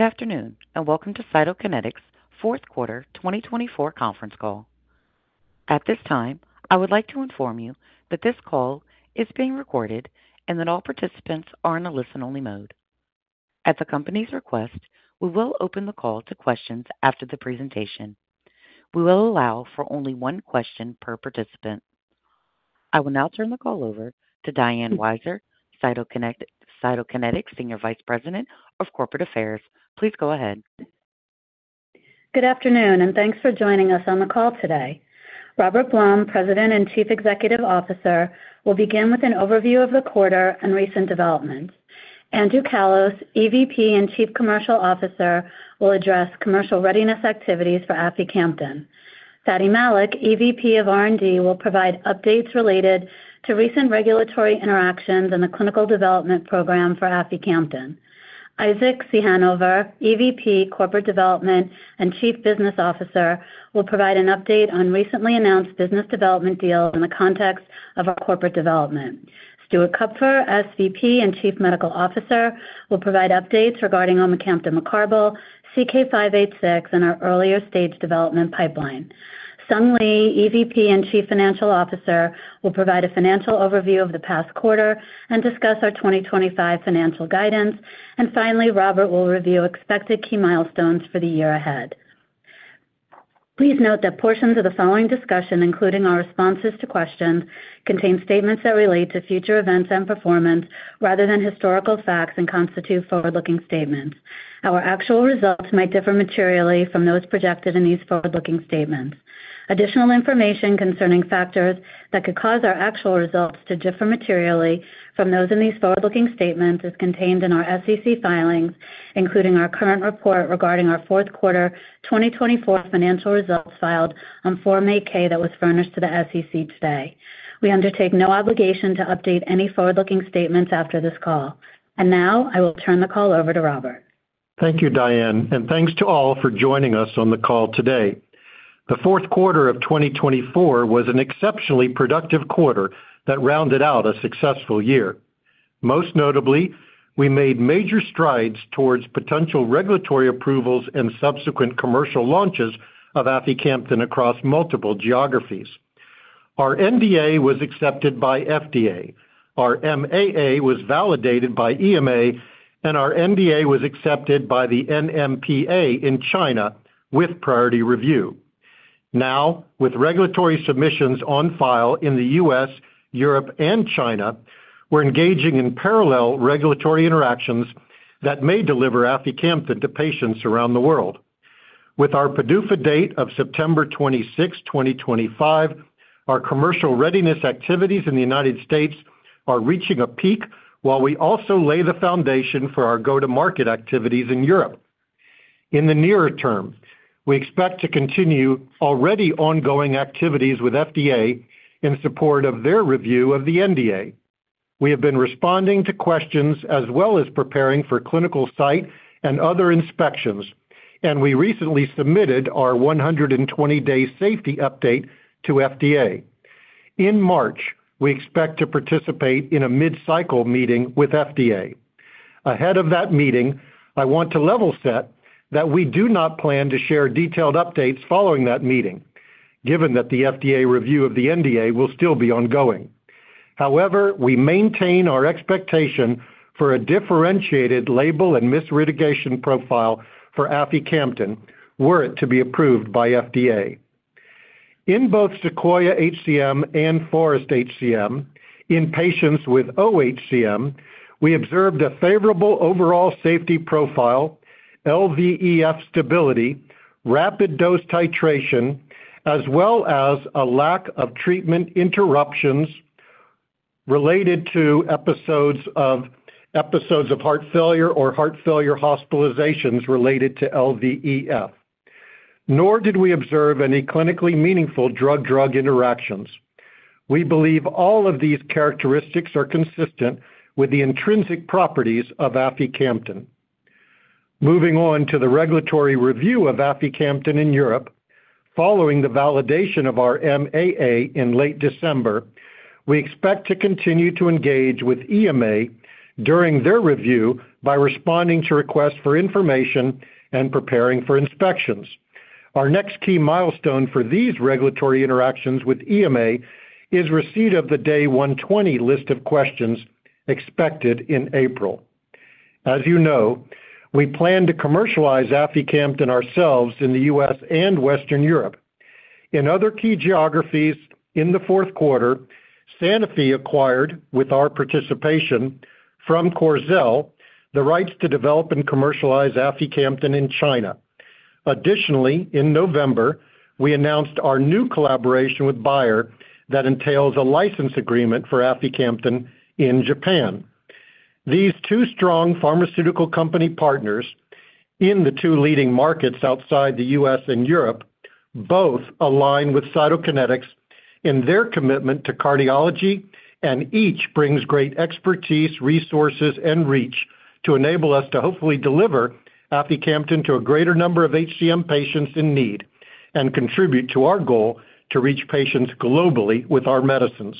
Good afternoon and welcome to Cytokinetics fourth quarter 2024 conference call. At this time, I would like to inform you that this call is being recorded and that all participants are in a listen-only mode. At the company's request, we will open the call to questions after the presentation. We will allow for only one question per participant. I will now turn the call over to Diane Weiser, Cytokinetics Senior Vice President of Corporate Affairs. Please go ahead. Good afternoon and thanks for joining us on the call today. Robert Blum, President and Chief Executive Officer, will begin with an overview of the quarter and recent developments. Andrew Callos, EVP and Chief Commercial Officer, will address commercial readiness activities for aficamten. Fady Malik, EVP of R&D, will provide updates related to recent regulatory interactions and the clinical development program for aficamten. Isaac Ciechanover, EVP, Corporate Development and Chief Business Officer, will provide an update on recently announced business development deals in the context of our corporate development. Stuart Kupfer, SVP and Chief Medical Officer, will provide updates regarding omecamtiv mecarbil, CK-586, and our earlier stage development pipeline. Sung Lee, EVP and Chief Financial Officer, will provide a financial overview of the past quarter and discuss our 2025 financial guidance, and finally, Robert will review expected key milestones for the year ahead. Please note that portions of the following discussion, including our responses to questions, contain statements that relate to future events and performance rather than historical facts and constitute forward-looking statements. Our actual results might differ materially from those projected in these forward-looking statements. Additional information concerning factors that could cause our actual results to differ materially from those in these forward-looking statements is contained in our SEC filings, including our current report regarding our fourth quarter 2024 financial results filed on Form 8-K that was furnished to the SEC today. We undertake no obligation to update any forward-looking statements after this call, and now I will turn the call over to Robert. Thank you, Diane, and thanks to all for joining us on the call today. The fourth quarter of 2024 was an exceptionally productive quarter that rounded out a successful year. Most notably, we made major strides towards potential regulatory approvals and subsequent commercial launches of aficamten across multiple geographies. Our NDA was accepted by FDA, our MAA was validated by EMA, and our NDA was accepted by the NMPA in China with priority review. Now, with regulatory submissions on file in the U.S., Europe, and China, we're engaging in parallel regulatory interactions that may deliver aficamten to patients around the world. With our PDUFA date of September 26, 2025, our commercial readiness activities in the United States are reaching a peak, while we also lay the foundation for our go-to-market activities in Europe. In the nearer term, we expect to continue already ongoing activities with FDA in support of their review of the NDA. We have been responding to questions as well as preparing for clinical site and other inspections, and we recently submitted our 120-Day Safety Update to FDA. In March, we expect to participate in a Mid-Cycle Meeting with FDA. Ahead of that meeting, I want to level set that we do not plan to share detailed updates following that meeting, given that the FDA review of the NDA will still be ongoing. However, we maintain our expectation for a differentiated label and mitigation profile for aficamten were it to be approved by FDA. In both SEQUOIA-HCM and FOREST-HCM, in patients with oHCM, we observed a favorable overall safety profile, LVEF stability, rapid dose titration, as well as a lack of treatment interruptions related to episodes of heart failure or heart failure hospitalizations related to LVEF. Nor did we observe any clinically meaningful drug-drug interactions. We believe all of these characteristics are consistent with the intrinsic properties of aficamten. Moving on to the regulatory review of aficamten in Europe, following the validation of our MAA in late December, we expect to continue to engage with EMA during their review by responding to requests for information and preparing for inspections. Our next key milestone for these regulatory interactions with EMA is receipt of the Day 120 List of Questions expected in April. As you know, we plan to commercialize aficamten ourselves in the U.S. and Western Europe. In other key geographies in the fourth quarter, Sanofi acquired, with our participation from Corxel, the rights to develop and commercialize aficamten in China. Additionally, in November, we announced our new collaboration with Bayer that entails a license agreement for aficamten in Japan. These two strong pharmaceutical company partners in the two leading markets outside the U.S. and Europe both align with Cytokinetics in their commitment to cardiology, and each brings great expertise, resources, and reach to enable us to hopefully deliver aficamten to a greater number of HCM patients in need and contribute to our goal to reach patients globally with our medicines.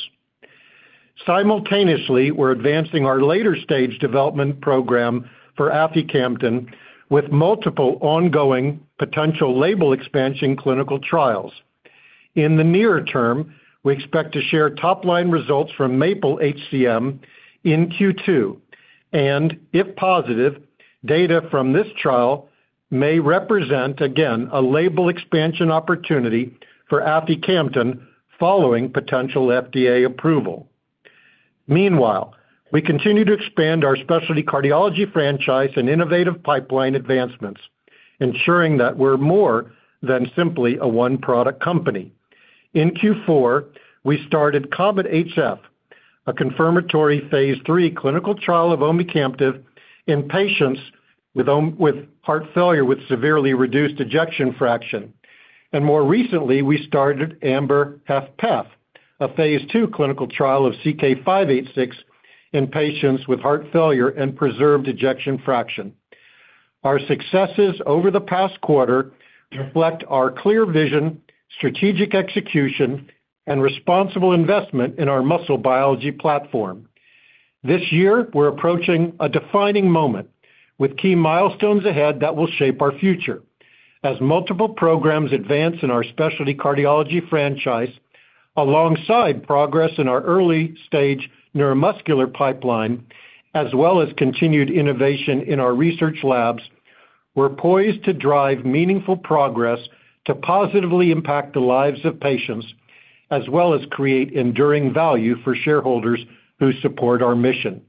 Simultaneously, we're advancing our later stage development program for aficamten with multiple ongoing potential label expansion clinical trials. In the near term, we expect to share top-line results from MAPLE-HCM in Q2, and if positive, data from this trial may represent, again, a label expansion opportunity for aficamten following potential FDA approval. Meanwhile, we continue to expand our specialty cardiology franchise and innovative pipeline advancements, ensuring that we're more than simply a one-product company. In Q4, we started COMET-HF, a confirmatory phase III clinical trial of omecamtiv mecarbil in patients with heart failure with severely reduced ejection fraction, and more recently, we started AMBER-HFpEF, a phase II clinical trial of CK-586 in patients with heart failure and preserved ejection fraction. Our successes over the past quarter reflect our clear vision, strategic execution, and responsible investment in our muscle biology platform. This year, we're approaching a defining moment with key milestones ahead that will shape our future as multiple programs advance in our specialty cardiology franchise alongside progress in our early stage neuromuscular pipeline, as well as continued innovation in our research labs. We're poised to drive meaningful progress to positively impact the lives of patients, as well as create enduring value for shareholders who support our mission.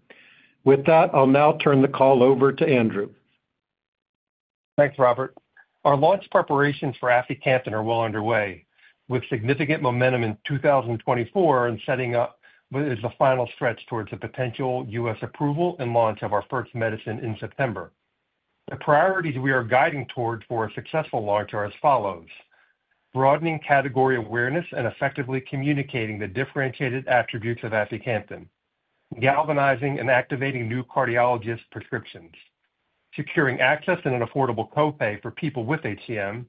With that, I'll now turn the call over to Andrew. Thanks, Robert. Our launch preparations for aficamten are well underway, with significant momentum in 2024 and setting up as the final stretch towards the potential U.S. approval and launch of our first medicine in September. The priorities we are guiding towards for a successful launch are as follows: broadening category awareness and effectively communicating the differentiated attributes of aficamten, galvanizing and activating new cardiologist prescriptions, securing access and an affordable copay for people with HCM,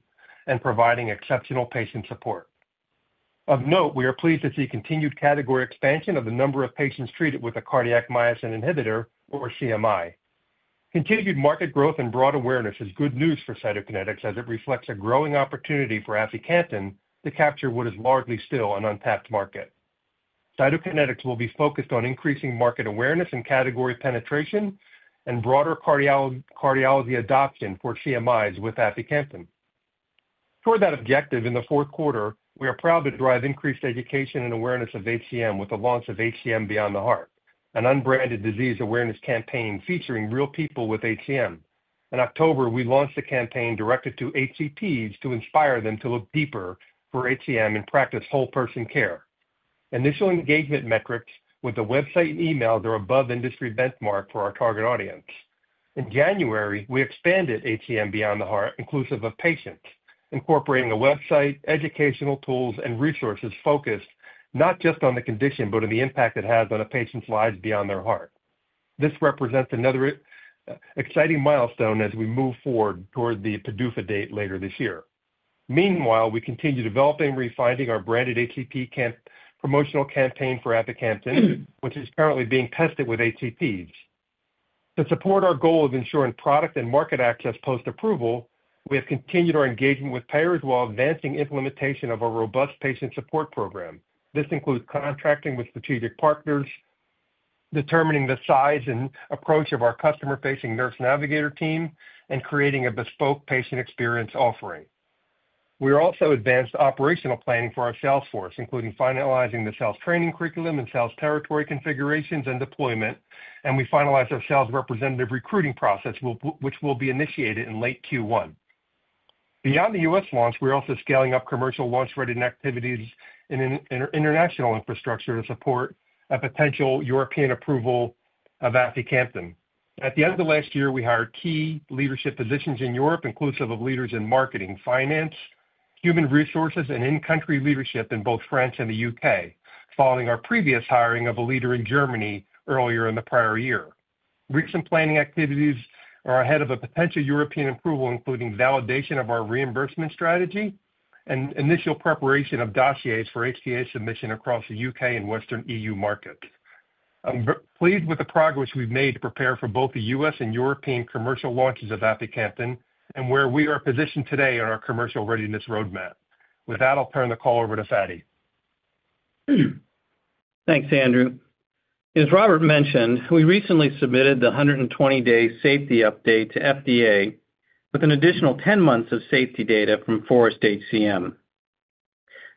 and providing exceptional patient support. Of note, we are pleased to see continued category expansion of the number of patients treated with a cardiac myosin inhibitor, or CMI. Continued market growth and broad awareness is good news for Cytokinetics as it reflects a growing opportunity for aficamten to capture what is largely still an untapped market. Cytokinetics will be focused on increasing market awareness and category penetration and broader cardiology adoption for CMIs with aficamten. Toward that objective, in the fourth quarter, we are proud to drive increased education and awareness of HCM with the launch of HCM Beyond the Heart, an unbranded disease awareness campaign featuring real people with HCM. In October, we launched a campaign directed to HCPs to inspire them to look deeper for HCM and practice whole-person care. Initial engagement metrics with the website and email are above industry benchmark for our target audience. In January, we expanded HCM Beyond the Heart, inclusive of patients, incorporating a website, educational tools, and resources focused not just on the condition, but on the impact it has on a patient's lives beyond their heart. This represents another exciting milestone as we move forward toward the PDUFA date later this year. Meanwhile, we continue developing and refining our branded HCP promotional campaign for aficamten, which is currently being tested with HCPs. To support our goal of ensuring product and market access post-approval, we have continued our engagement with payers while advancing implementation of a robust patient support program. This includes contracting with strategic partners, determining the size and approach of our customer-facing nurse navigator team, and creating a bespoke patient experience offering. We also advanced operational planning for our sales force, including finalizing the sales training curriculum and sales territory configurations and deployment, and we finalized our sales representative recruiting process, which will be initiated in late Q1. Beyond the U.S. launch, we're also scaling up commercial launch readiness activities in international infrastructure to support a potential European approval of aficamten. At the end of last year, we hired key leadership positions in Europe, inclusive of leaders in marketing, finance, human resources, and in-country leadership in both France and the U.K., following our previous hiring of a leader in Germany earlier in the prior year. Recent planning activities are ahead of a potential European approval, including validation of our reimbursement strategy and initial preparation of dossiers for HTA submission across the U.K. and Western E.U. markets. I'm pleased with the progress we've made to prepare for both the U.S. and European commercial launches of aficamten and where we are positioned today on our commercial readiness roadmap. With that, I'll turn the call over to Fady. Thanks, Andrew. As Robert mentioned, we recently submitted the 120-Day Safety Update to FDA with an additional 10 months of safety data from FOREST-HCM.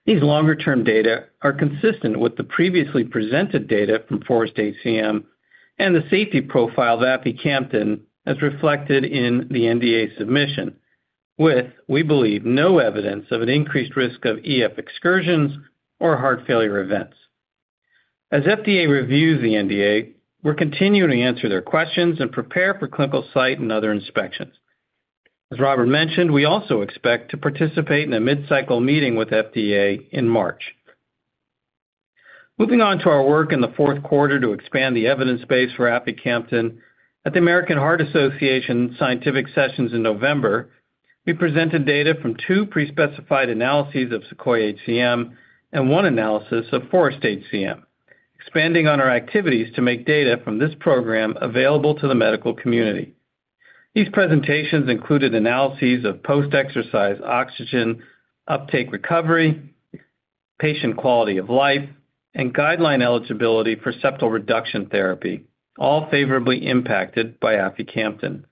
These longer-term data are consistent with the previously presented data from FOREST-HCM and the safety profile of aficamten as reflected in the NDA submission, with, we believe, no evidence of an increased risk of EF excursions or heart failure events. As Robert mentioned, we also expect to participate in a Mid-Cycle Meeting with FDA in March. Moving on to our work in the fourth quarter to expand the evidence base for aficamten, at the American Heart Association scientific sessions in November, we presented data from two pre-specified analyses of SEQUOIA-HCM and one analysis of FOREST-HCM, expanding on our activities to make data from this program available to the medical community. These presentations included analyses of post-exercise oxygen uptake recovery, patient quality of life, and guideline eligibility for septal reduction therapy, all favorably impacted by aficamten.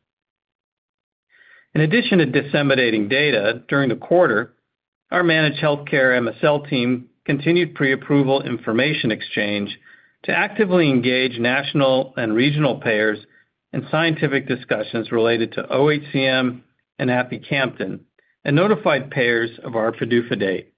In addition to disseminating data during the quarter, our managed healthcare MSL team continued pre-approval information exchange to actively engage national and regional payers in scientific discussions related to oHCM and aficamten and notified payers of our PDUFA date.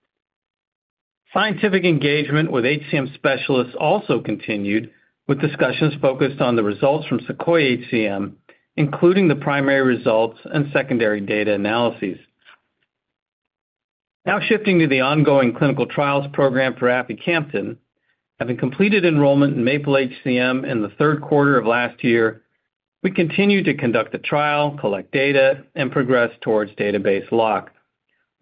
Scientific engagement with HCM specialists also continued with discussions focused on the results from SEQUOIA-HCM, including the primary results and secondary data analyses. Now shifting to the ongoing clinical trials program for aficamten, having completed enrollment in MAPLE-HCM in the third quarter of last year, we continue to conduct the trial, collect data, and progress towards database lock.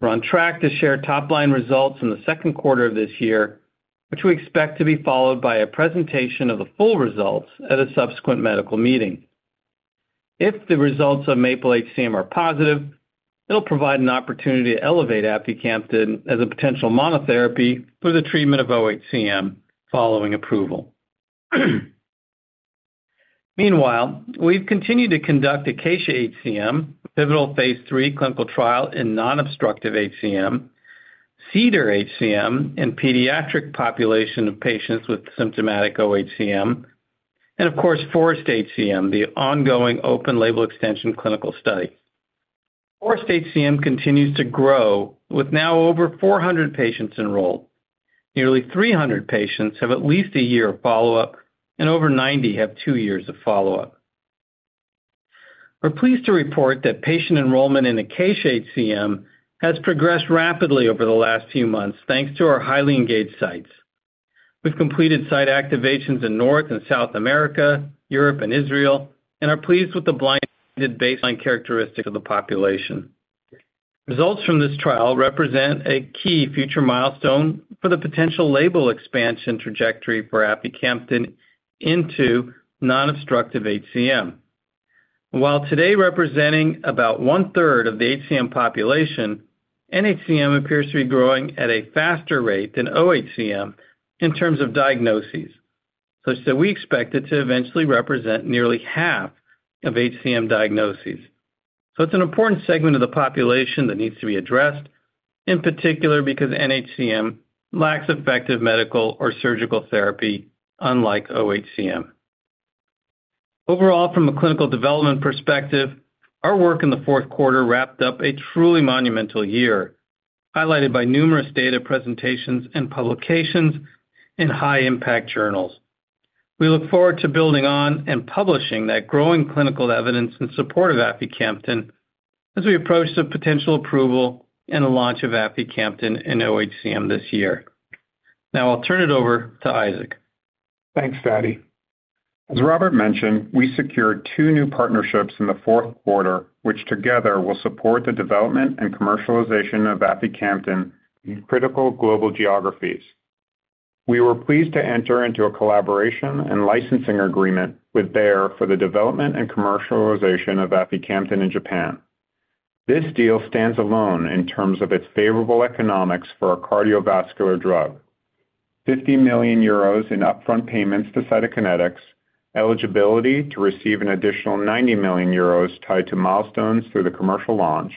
We're on track to share top-line results in the second quarter of this year, which we expect to be followed by a presentation of the full results at a subsequent medical meeting. If the results of MAPLE-HCM are positive, it'll provide an opportunity to elevate aficamten as a potential monotherapy for the treatment of oHCM following approval. Meanwhile, we've continued to conduct ACACIA-HCM, pivotal phase III clinical trial in non-obstructive HCM, CEDAR-HCM in pediatric population of patients with symptomatic oHCM, and of course, FOREST-HCM, the ongoing open-label extension clinical study. FOREST-HCM continues to grow with now over 400 patients enrolled. Nearly 300 patients have at least a year of follow-up, and over 90 have two years of follow-up. We're pleased to report that patient enrollment in ACACIA-HCM has progressed rapidly over the last few months thanks to our highly engaged sites. We've completed site activations in North and South America, Europe and Israel, and are pleased with the blinded baseline characteristic of the population. Results from this trial represent a key future milestone for the potential label expansion trajectory for aficamten into non-obstructive HCM. While today representing about one-third of the HCM population, nHCM appears to be growing at a faster rate than oHCM in terms of diagnoses, so it's an important segment of the population that needs to be addressed, in particular because nHCM lacks effective medical or surgical therapy unlike oHCM. Overall, from a clinical development perspective, our work in the fourth quarter wrapped up a truly monumental year, highlighted by numerous data presentations and publications in high-impact journals. We look forward to building on and publishing that growing clinical evidence in support of aficamten as we approach the potential approval and launch of aficamten in oHCM this year. Now I'll turn it over to Isaac. Thanks, Fady. As Robert mentioned, we secured two new partnerships in the fourth quarter, which together will support the development and commercialization of aficamten in critical global geographies. We were pleased to enter into a collaboration and licensing agreement with Bayer for the development and commercialization of aficamten in Japan. This deal stands alone in terms of its favorable economics for a cardiovascular drug: 50 million euros in upfront payments to Cytokinetics, eligibility to receive an additional 90 million euros tied to milestones through the commercial launch,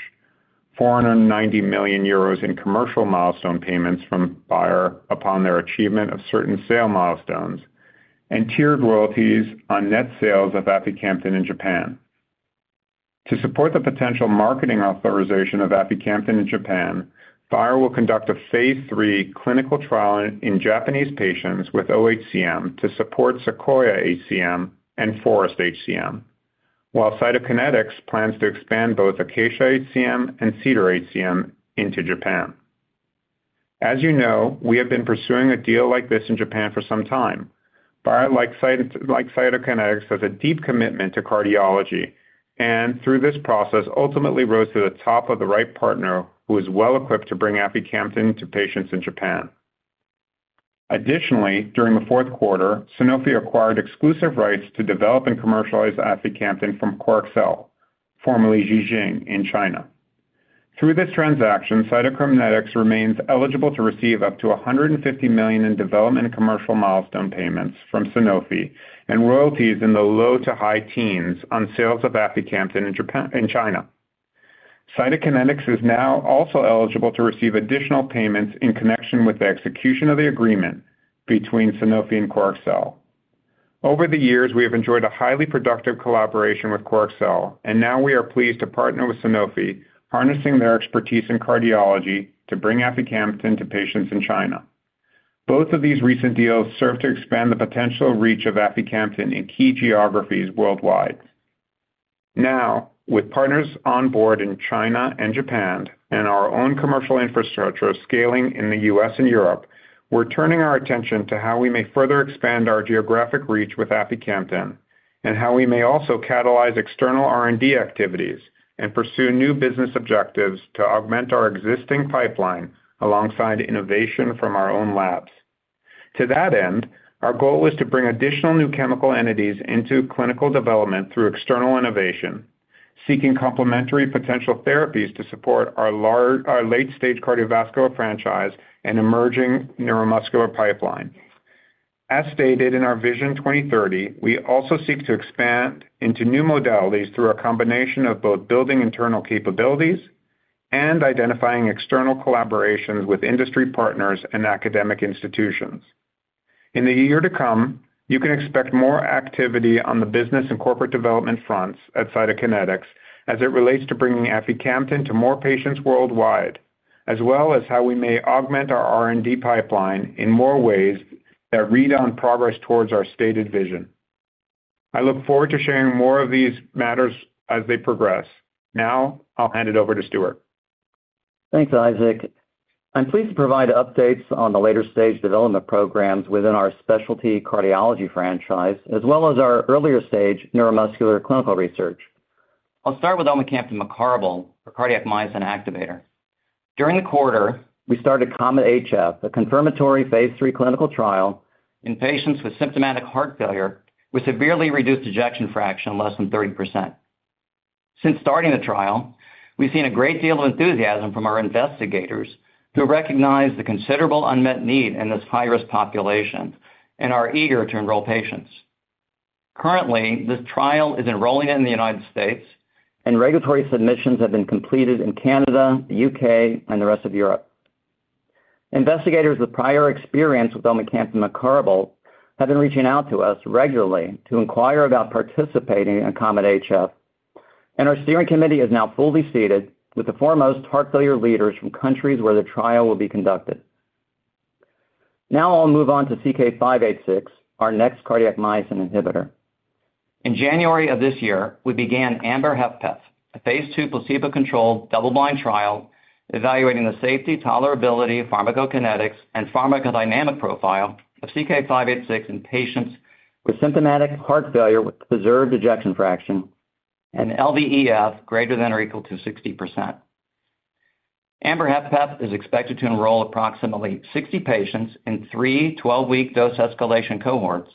490 million euros in commercial milestone payments from Bayer upon their achievement of certain sale milestones, and tiered royalties on net sales of aficamten in Japan. To support the potential marketing authorization of aficamten in Japan, Bayer will conduct a phase III clinical trial in Japanese patients with oHCM to support SEQUOIA-HCM and FOREST-HCM, while Cytokinetics plans to expand both ACACIA-HCM and CEDAR-HCM into Japan. As you know, we have been pursuing a deal like this in Japan for some time. Bayer, like Cytokinetics, has a deep commitment to cardiology and, through this process, ultimately rose to the top of the right partner who is well equipped to bring aficamten to patients in Japan. Additionally, during the fourth quarter, Sanofi acquired exclusive rights to develop and commercialize aficamten from Corxel, formerly Ji Xing in China. Through this transaction, Cytokinetics remains eligible to receive up to $150 million in development and commercial milestone payments from Sanofi and royalties in the low to high teens on sales of aficamten in China. Cytokinetics is now also eligible to receive additional payments in connection with the execution of the agreement between Sanofi and Corxel. Over the years, we have enjoyed a highly productive collaboration with Corxel, and now we are pleased to partner with Sanofi, harnessing their expertise in cardiology to bring aficamten to patients in China. Both of these recent deals serve to expand the potential reach of aficamten in key geographies worldwide. Now, with partners on board in China and Japan, and our own commercial infrastructure scaling in the U.S. and Europe, we're turning our attention to how we may further expand our geographic reach with aficamten and how we may also catalyze external R&D activities and pursue new business objectives to augment our existing pipeline alongside innovation from our own labs. To that end, our goal is to bring additional new chemical entities into clinical development through external innovation, seeking complementary potential therapies to support our late-stage cardiovascular franchise and emerging neuromuscular pipeline. As stated in our Vision 2030, we also seek to expand into new modalities through a combination of both building internal capabilities and identifying external collaborations with industry partners and academic institutions. In the year to come, you can expect more activity on the business and corporate development fronts at Cytokinetics as it relates to bringing aficamten to more patients worldwide, as well as how we may augment our R&D pipeline in more ways that read on progress towards our stated vision. I look forward to sharing more of these matters as they progress. Now I'll hand it over to Stuart. Thanks, Isaac. I'm pleased to provide updates on the later-stage development programs within our specialty cardiology franchise, as well as our earlier-stage neuromuscular clinical research. I'll start with omecamtiv mecarbil, our cardiac myosin activator. During the quarter, we started COMET-HF, a confirmatory phase III clinical trial in patients with symptomatic heart failure with severely reduced ejection fraction, less than 30%. Since starting the trial, we've seen a great deal of enthusiasm from our investigators who recognize the considerable unmet need in this high-risk population and are eager to enroll patients. Currently, this trial is enrolling in the United States, and regulatory submissions have been completed in Canada, the U.K., and the rest of Europe. Investigators with prior experience with omecamtiv mecarbil have been reaching out to us regularly to inquire about participating in COMET-HF, and our steering committee is now fully seated with the foremost heart failure leaders from countries where the trial will be conducted. Now I'll move on to CK-586, our next cardiac myosin inhibitor. In January of this year, we began AMBER-HFpEF, a phase II placebo-controlled double-blind trial evaluating the safety, tolerability, pharmacokinetics, and pharmacodynamic profile of CK-586 in patients with symptomatic heart failure with preserved ejection fraction and LVEF greater than or equal to 60%. AMBER-HFpEF is expected to enroll approximately 60 patients in three 12-week dose escalation cohorts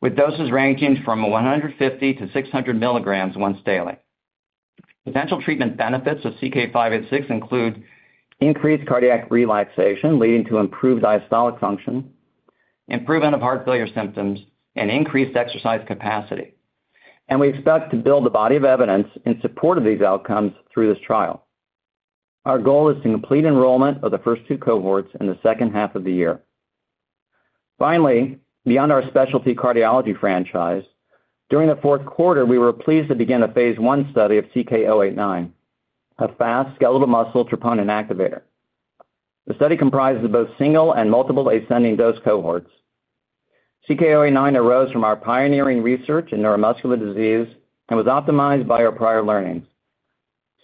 with doses ranging from 150-600 mg once daily. Potential treatment benefits of CK-586 include increased cardiac relaxation leading to improved diastolic function, improvement of heart failure symptoms, and increased exercise capacity. We expect to build a body of evidence in support of these outcomes through this trial. Our goal is to complete enrollment of the first two cohorts in the second half of the year. Finally, beyond our specialty cardiology franchise, during the fourth quarter, we were pleased to begin a phase I study of CK-089, a fast skeletal muscle troponin activator. The study comprises both single and multiple ascending dose cohorts. CK-089 arose from our pioneering research in neuromuscular disease and was optimized by our prior learnings.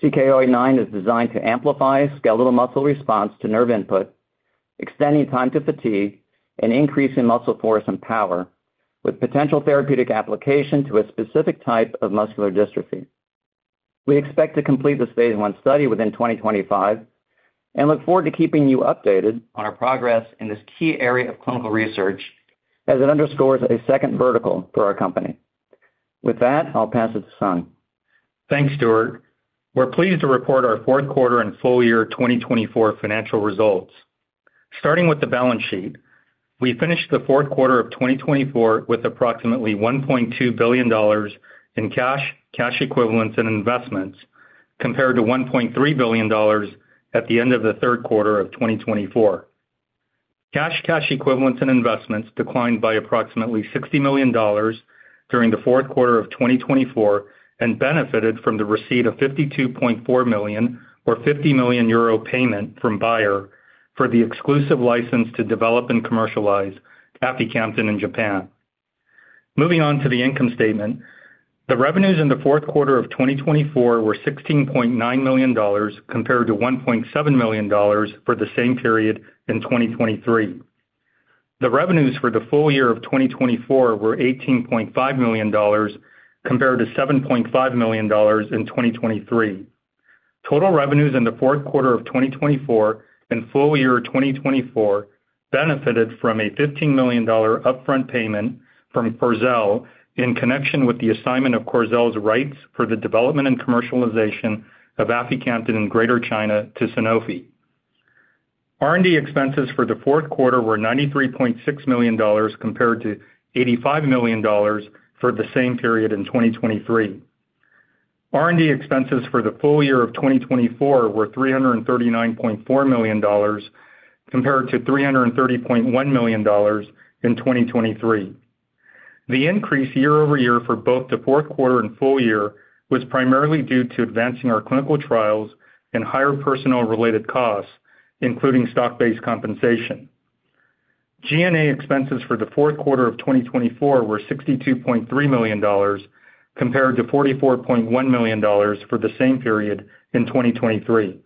CK-089 is designed to amplify skeletal muscle response to nerve input, extending time to fatigue and increasing muscle force and power, with potential therapeutic application to a specific type of muscular dystrophy. We expect to complete this phase I study within 2025 and look forward to keeping you updated on our progress in this key area of clinical research as it underscores a second vertical for our company. With that, I'll pass it to Sung. Thanks, Stuart. We're pleased to report our fourth quarter and full year 2024 financial results. Starting with the balance sheet, we finished the fourth quarter of 2024 with approximately $1.2 billion in cash, cash equivalents, and investments compared to $1.3 billion at the end of the third quarter of 2024. Cash, cash equivalents, and investments declined by approximately $60 million during the fourth quarter of 2024 and benefited from the receipt of $52.4 million, or 50 million euro payment from Bayer for the exclusive license to develop and commercialize aficamten in Japan. Moving on to the income statement, the revenues in the fourth quarter of 2024 were $16.9 million compared to $1.7 million for the same period in 2023. The revenues for the full year of 2024 were $18.5 million compared to $7.5 million in 2023. Total revenues in the fourth quarter of 2024 and full year 2024 benefited from a $15 million upfront payment from Corxel in connection with the assignment of Corxel's rights for the development and commercialization of aficamten in Greater China to Sanofi. R&D expenses for the fourth quarter were $93.6 million compared to $85 million for the same period in 2023. R&D expenses for the full year of 2024 were $339.4 million compared to $330.1 million in 2023. The increase year over year for both the fourth quarter and full year was primarily due to advancing our clinical trials and higher personnel-related costs, including stock-based compensation. G&A expenses for the fourth quarter of 2024 were $62.3 million compared to $44.1 million for the same period in 2023.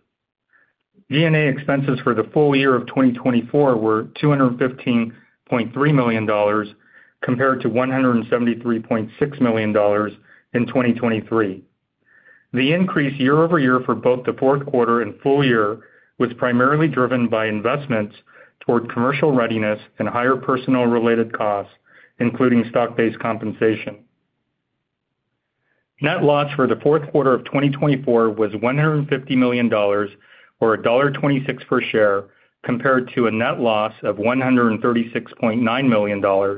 G&A expenses for the full year of 2024 were $215.3 million compared to $173.6 million in 2023. The increase year over year for both the fourth quarter and full year was primarily driven by investments toward commercial readiness and higher personnel-related costs, including stock-based compensation. Net loss for the fourth quarter of 2024 was $150 million, or $1.26 per share, compared to a net loss of $136.9 million, or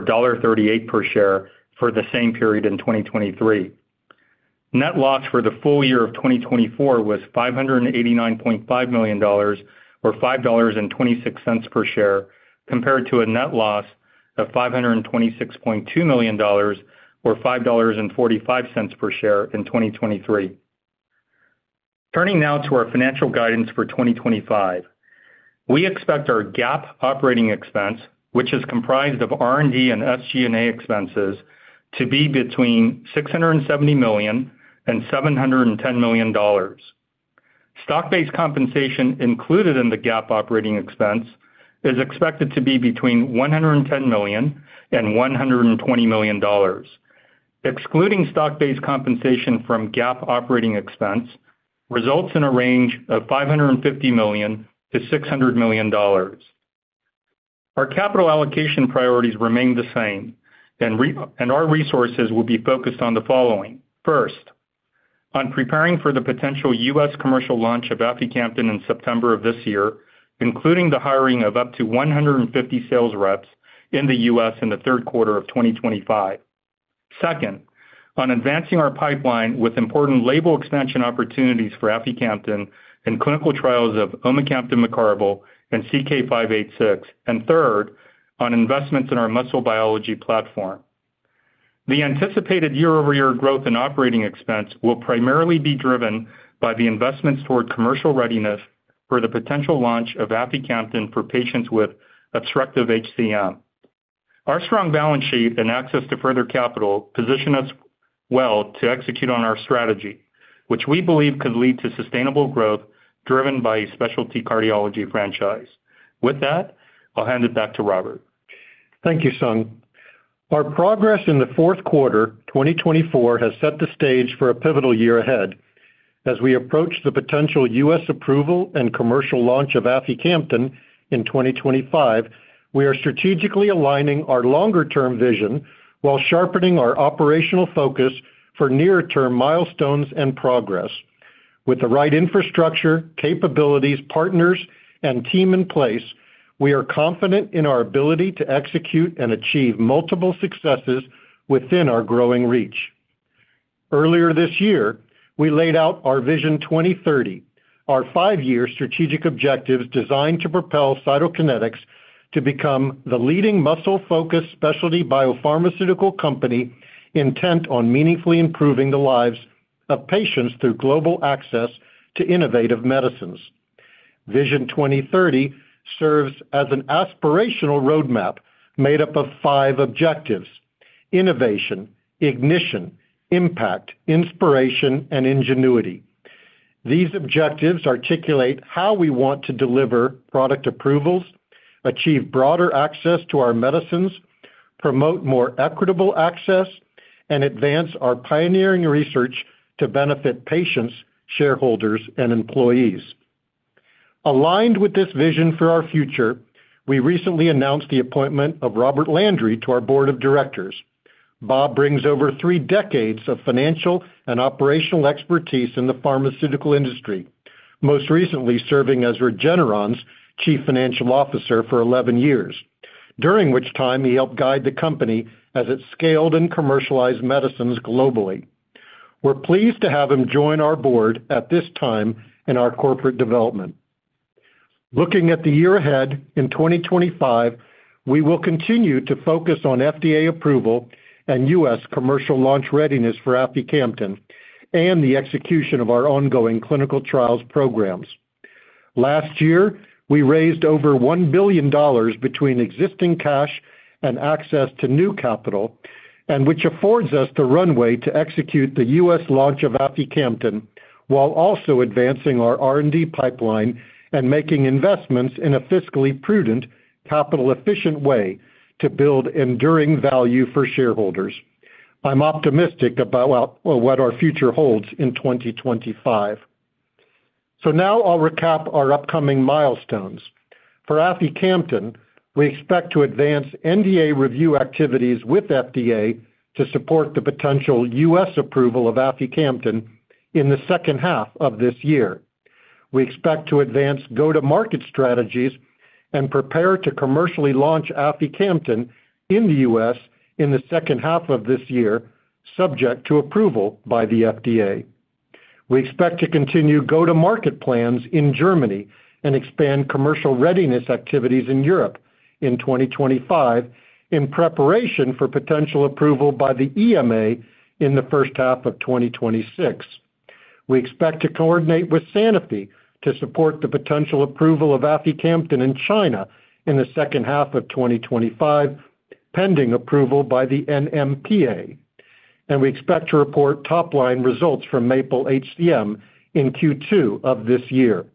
$1.38 per share for the same period in 2023. Net loss for the full year of 2024 was $589.5 million, or $5.26 per share, compared to a net loss of $526.2 million, or $5.45 per share in 2023. Turning now to our financial guidance for 2025, we expect our GAAP operating expense, which is comprised of R&D and SG&A expenses, to be between $670 million and $710 million. Stock-based compensation included in the GAAP operating expense is expected to be between $110 million and $120 million. Excluding stock-based compensation from GAAP operating expense results in a range of $550 million-$600 million. Our capital allocation priorities remain the same, and our resources will be focused on the following. First, on preparing for the potential U.S. commercial launch of aficamten in September of this year, including the hiring of up to 150 sales reps in the U.S. in the third quarter of 2025. Second, on advancing our pipeline with important label expansion opportunities for aficamten and clinical trials of Omecamtiv mecarbil and CK-586. And third, on investments in our muscle biology platform. The anticipated year-over-year growth in operating expense will primarily be driven by the investments toward commercial readiness for the potential launch of aficamten for patients with obstructive HCM. Our strong balance sheet and access to further capital position us well to execute on our strategy, which we believe could lead to sustainable growth driven by a specialty cardiology franchise. With that, I'll hand it back to Robert. Thank you, Sung. Our progress in the fourth quarter 2024 has set the stage for a pivotal year ahead. As we approach the potential U.S. approval and commercial launch of aficamten in 2025, we are strategically aligning our longer-term vision while sharpening our operational focus for near-term milestones and progress. With the right infrastructure, capabilities, partners, and team in place, we are confident in our ability to execute and achieve multiple successes within our growing reach. Earlier this year, we laid out our Vision 2030, our five-year strategic objectives designed to propel Cytokinetics to become the leading muscle-focused specialty biopharmaceutical company intent on meaningfully improving the lives of patients through global access to innovative medicines. Vision 2030 serves as an aspirational roadmap made up of five objectives: innovation, ignition, impact, inspiration, and ingenuity. These objectives articulate how we want to deliver product approvals, achieve broader access to our medicines, promote more equitable access, and advance our pioneering research to benefit patients, shareholders, and employees. Aligned with this vision for our future, we recently announced the appointment of Robert Landry to our board of directors. Bob brings over three decades of financial and operational expertise in the pharmaceutical industry, most recently serving as Regeneron's chief financial officer for 11 years, during which time he helped guide the company as it scaled and commercialized medicines globally. We're pleased to have him join our board at this time in our corporate development. Looking at the year ahead in 2025, we will continue to focus on FDA approval and U.S. commercial launch readiness for aficamten and the execution of our ongoing clinical trials programs. Last year, we raised over $1 billion between existing cash and access to new capital, which affords us the runway to execute the U.S. launch of aficamten while also advancing our R&D pipeline and making investments in a fiscally prudent, capital-efficient way to build enduring value for shareholders. I'm optimistic about what our future holds in 2025. So now I'll recap our upcoming milestones. For aficamten, we expect to advance NDA review activities with FDA to support the potential U.S. approval of aficamten in the second half of this year. We expect to advance go-to-market strategies and prepare to commercially launch aficamten in the U.S. in the second half of this year, subject to approval by the FDA. We expect to continue go-to-market plans in Germany and expand commercial readiness activities in Europe in 2025 in preparation for potential approval by the EMA in the first half of 2026. We expect to coordinate with Sanofi to support the potential approval of aficamten in China in the second half of 2025, pending approval by the NMPA, and we expect to report top-line results from MAPLE-HCM in Q2 of this year.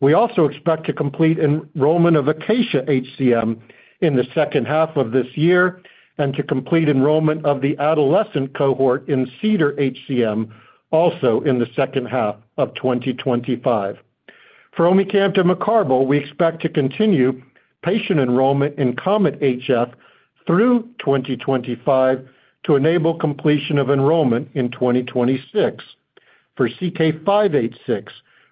We also expect to complete enrollment of ACACIA-HCM in the second half of this year and to complete enrollment of the adolescent cohort in CEDAR-HCM also in the second half of 2025. For omecamtiv mecarbil, we expect to continue patient enrollment in COMET-HF through 2025 to enable completion of enrollment in 2026. For CK-586,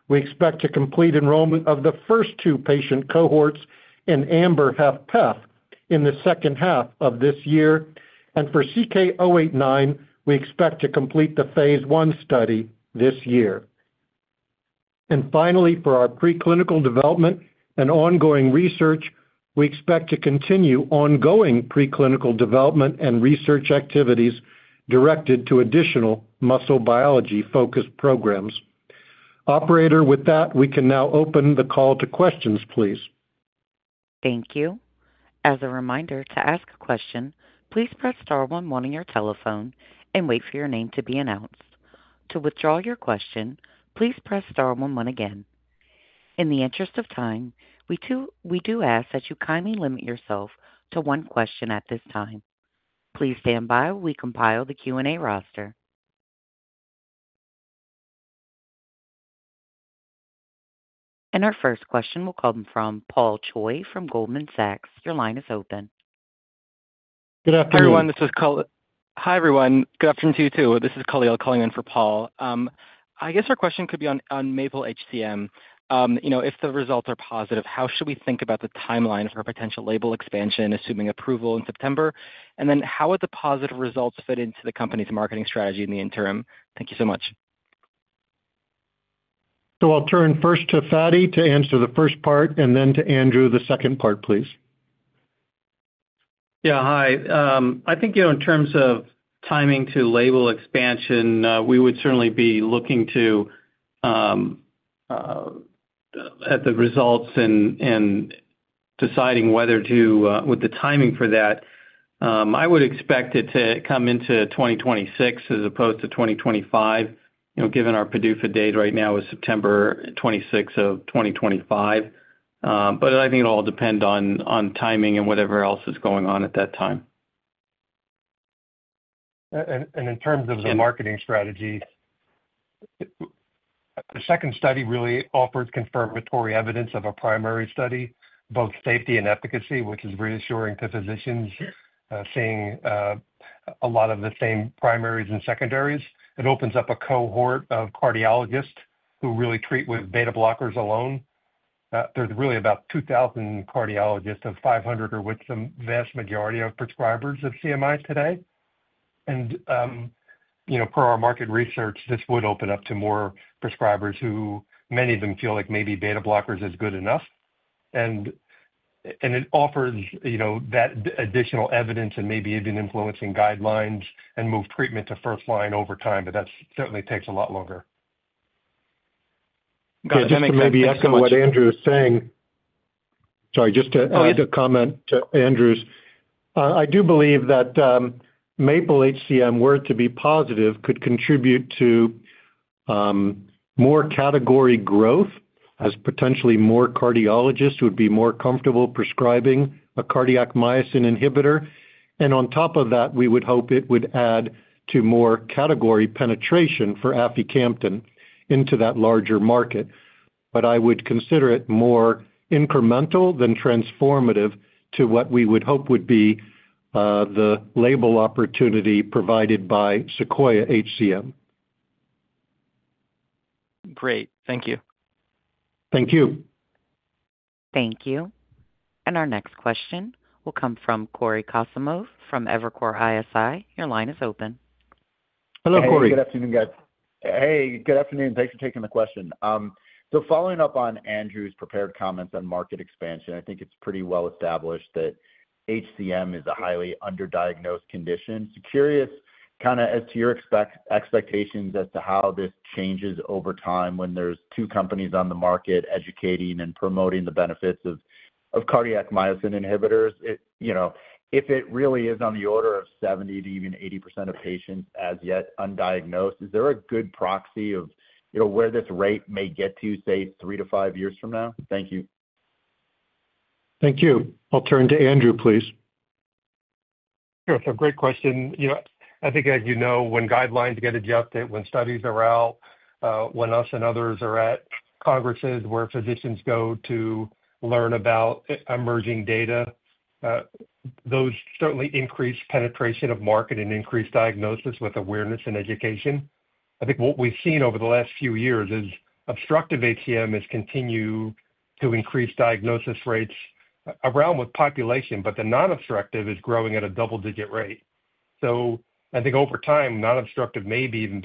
we expect to complete enrollment of the first two patient cohorts in AMBER-HFpEF in the second half of this year. And for CK-089, we expect to complete the phase I study this year. And finally, for our preclinical development and ongoing research, we expect to continue ongoing preclinical development and research activities directed to additional muscle biology-focused programs. Operator, with that, we can now open the call to questions, please. Thank you. As a reminder, to ask a question, please press star 11 on your telephone and wait for your name to be announced. To withdraw your question, please press star 11 again. In the interest of time, we do ask that you kindly limit yourself to one question at this time. Please stand by while we compile the Q&A roster. And our first question will come from Paul Choi from Goldman Sachs. Your line is open. Good afternoon. Hi, everyone. Good afternoon to you too. This is Khalil calling in for Paul. I guess our question could be on MAPLE-HCM. If the results are positive, how should we think about the timeline for a potential label expansion, assuming approval in September? And then how would the positive results fit into the company's marketing strategy in the interim? Thank you so much. So I'll turn first to Fady to answer the first part, and then to Andrew, the second part, please. Yeah, hi. I think in terms of timing to label expansion, we would certainly be looking at the results and deciding whether to-with the timing for that, I would expect it to come into 2026 as opposed to 2025, given our PDUFA date right now is September 26th of 2025, but I think it'll all depend on timing and whatever else is going on at that time. In terms of the marketing strategy, the second study really offered confirmatory evidence of a primary study, both safety and efficacy, which is reassuring to physicians seeing a lot of the same primaries and secondaries. It opens up a cohort of cardiologists who really treat with beta blockers alone. There's really about 2,000 cardiologists of 500 or with the vast majority of prescribers of CMI today. And per our market research, this would open up to more prescribers who many of them feel like maybe beta blockers is good enough. And it offers that additional evidence and maybe even influencing guidelines and move treatment to first line over time, but that certainly takes a lot longer. Yeah, just to maybe echo what Andrew is saying, sorry, just to add a comment to Andrew's, I do believe that MAPLE-HCM, were it to be positive, could contribute to more category growth as potentially more cardiologists would be more comfortable prescribing a cardiac myosin inhibitor. And on top of that, we would hope it would add to more category penetration for aficamten into that larger market. But I would consider it more incremental than transformative to what we would hope would be the label opportunity provided by SEQUOIA-HCM. Great. Thank you. Thank you. Thank you. And our next question will come from Cory Kasimov from Evercore ISI. Your line is open. Hello, Corey. Hey, good afternoon, guys. Hey, good afternoon. Thanks for taking the question. So following up on Andrew's prepared comments on market expansion, I think it's pretty well established that HCM is a highly underdiagnosed condition. So curious kind of as to your expectations as to how this changes over time when there's two companies on the market educating and promoting the benefits of cardiac myosin inhibitors. If it really is on the order of 70% to even 80% of patients as yet undiagnosed, is there a good proxy of where this rate may get to, say, three to five years from now? Thank you. Thank you. I'll turn to Andrew, please. Sure. So great question. I think, as you know, when guidelines get adjusted, when studies are out, when us and others are at conferences where physicians go to learn about emerging data, those certainly increase penetration of market and increase diagnosis with awareness and education. I think what we've seen over the last few years is obstructive HCM has continued to increase diagnosis rates around with population, but the non-obstructive is growing at a double-digit rate. So I think over time, non-obstructive may be even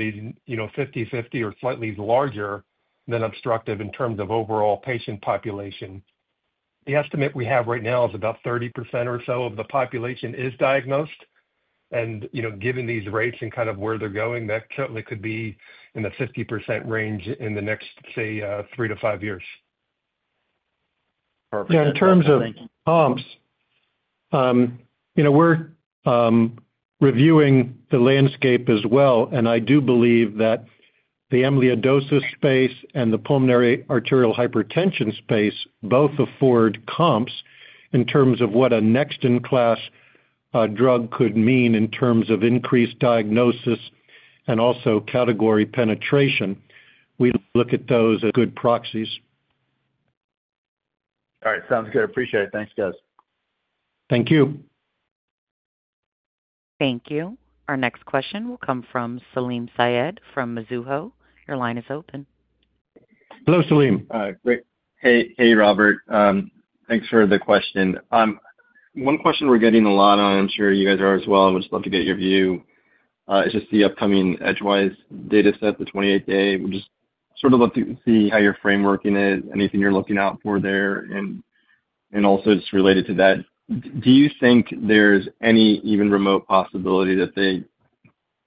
50/50 or slightly larger than obstructive in terms of overall patient population. The estimate we have right now is about 30% or so of the population is diagnosed. And given these rates and kind of where they're going, that certainly could be in the 50% range in the next, say, three to five years. Perfect. Thank you. Now, in terms of comps, we're reviewing the landscape as well. And I do believe that the amyloidosis space and the pulmonary arterial hypertension space both afford comps in terms of what a next-in-class drug could mean in terms of increased diagnosis and also category penetration. We look at those as good proxies. All right. Sounds good. Appreciate it. Thanks, guys. Thank you. Thank you. Our next question will come from Salim Syed from Mizuho. Your line is open. Hello, Salim. Great. Hey, Robert. Thanks for the question. One question we're getting a lot on, I'm sure you guys are as well. We'd just love to get your view. It's just the upcoming Edgewise data set, the 28-day. We just sort of love to see how you're framing it, anything you're looking out for there. And also just related to that, do you think there's any even remote possibility that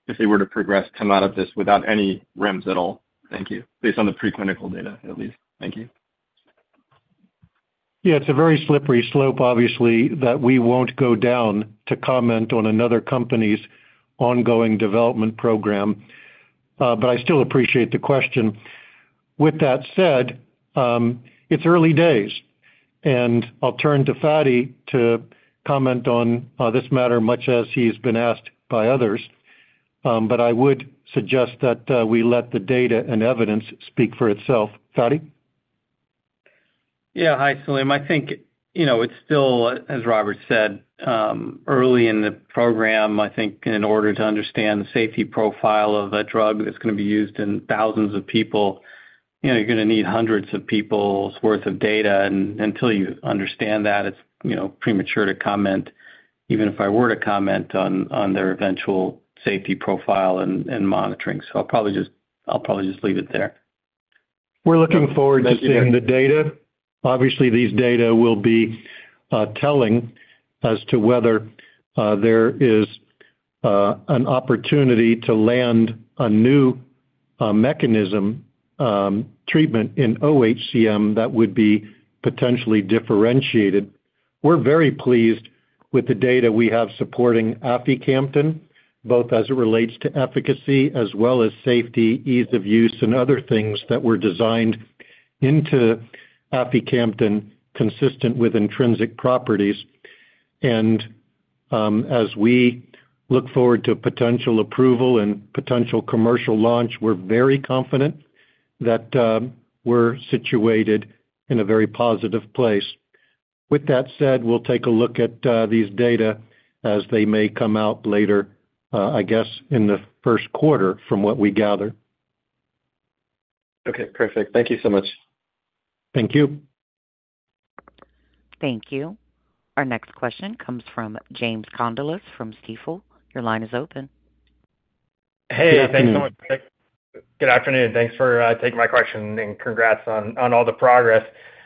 if they were to progress, come out of this without any REMS at all? Thank you. Based on the preclinical data, at least. Thank you. Yeah, it's a very slippery slope, obviously, that we won't go down to comment on another company's ongoing development program. But I still appreciate the question. With that said, it's early days, and I'll turn to Fady to comment on this matter much as he's been asked by others, but I would suggest that we let the data and evidence speak for itself. Fady? Yeah. Hi, Salim. I think it's still, as Robert said, early in the program. I think in order to understand the safety profile of a drug that's going to be used in thousands of people, you're going to need hundreds of people's worth of data. And until you understand that, it's premature to comment, even if I were to comment on their eventual safety profile and monitoring. So I'll probably just leave it there. We're looking forward to seeing the data. Obviously, these data will be telling as to whether there is an opportunity to land a new mechanism treatment in oHCM that would be potentially differentiated. We're very pleased with the data we have supporting aficamten, both as it relates to efficacy as well as safety, ease of use, and other things that were designed into aficamten consistent with intrinsic properties, and as we look forward to potential approval and potential commercial launch, we're very confident that we're situated in a very positive place. With that said, we'll take a look at these data as they may come out later, I guess, in the first quarter from what we gather. Okay. Perfect. Thank you so much. Thank you. Thank you. Our next question comes from James Condulis from Stifel. Your line is open. Hey. Thanks so much. Good afternoon. Thanks for taking my question and congrats on all the progress.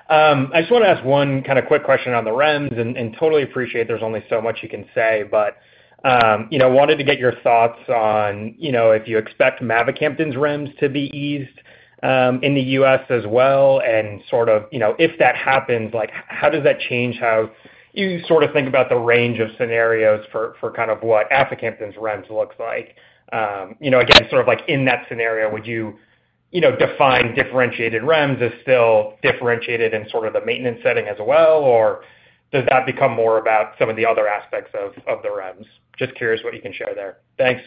I just want to ask one kind of quick question on the REMS. And totally appreciate there's only so much you can say, but wanted to get your thoughts on if you expect mavacamten's REMS to be eased in the US as well. And sort of if that happens, how does that change how you sort of think about the range of scenarios for kind of what aficamten's REMS looks like? Again, sort of in that scenario, would you define differentiated REMS as still differentiated in sort of the maintenance setting as well? Or does that become more about some of the other aspects of the REMS? Just curious what you can share there. Thanks.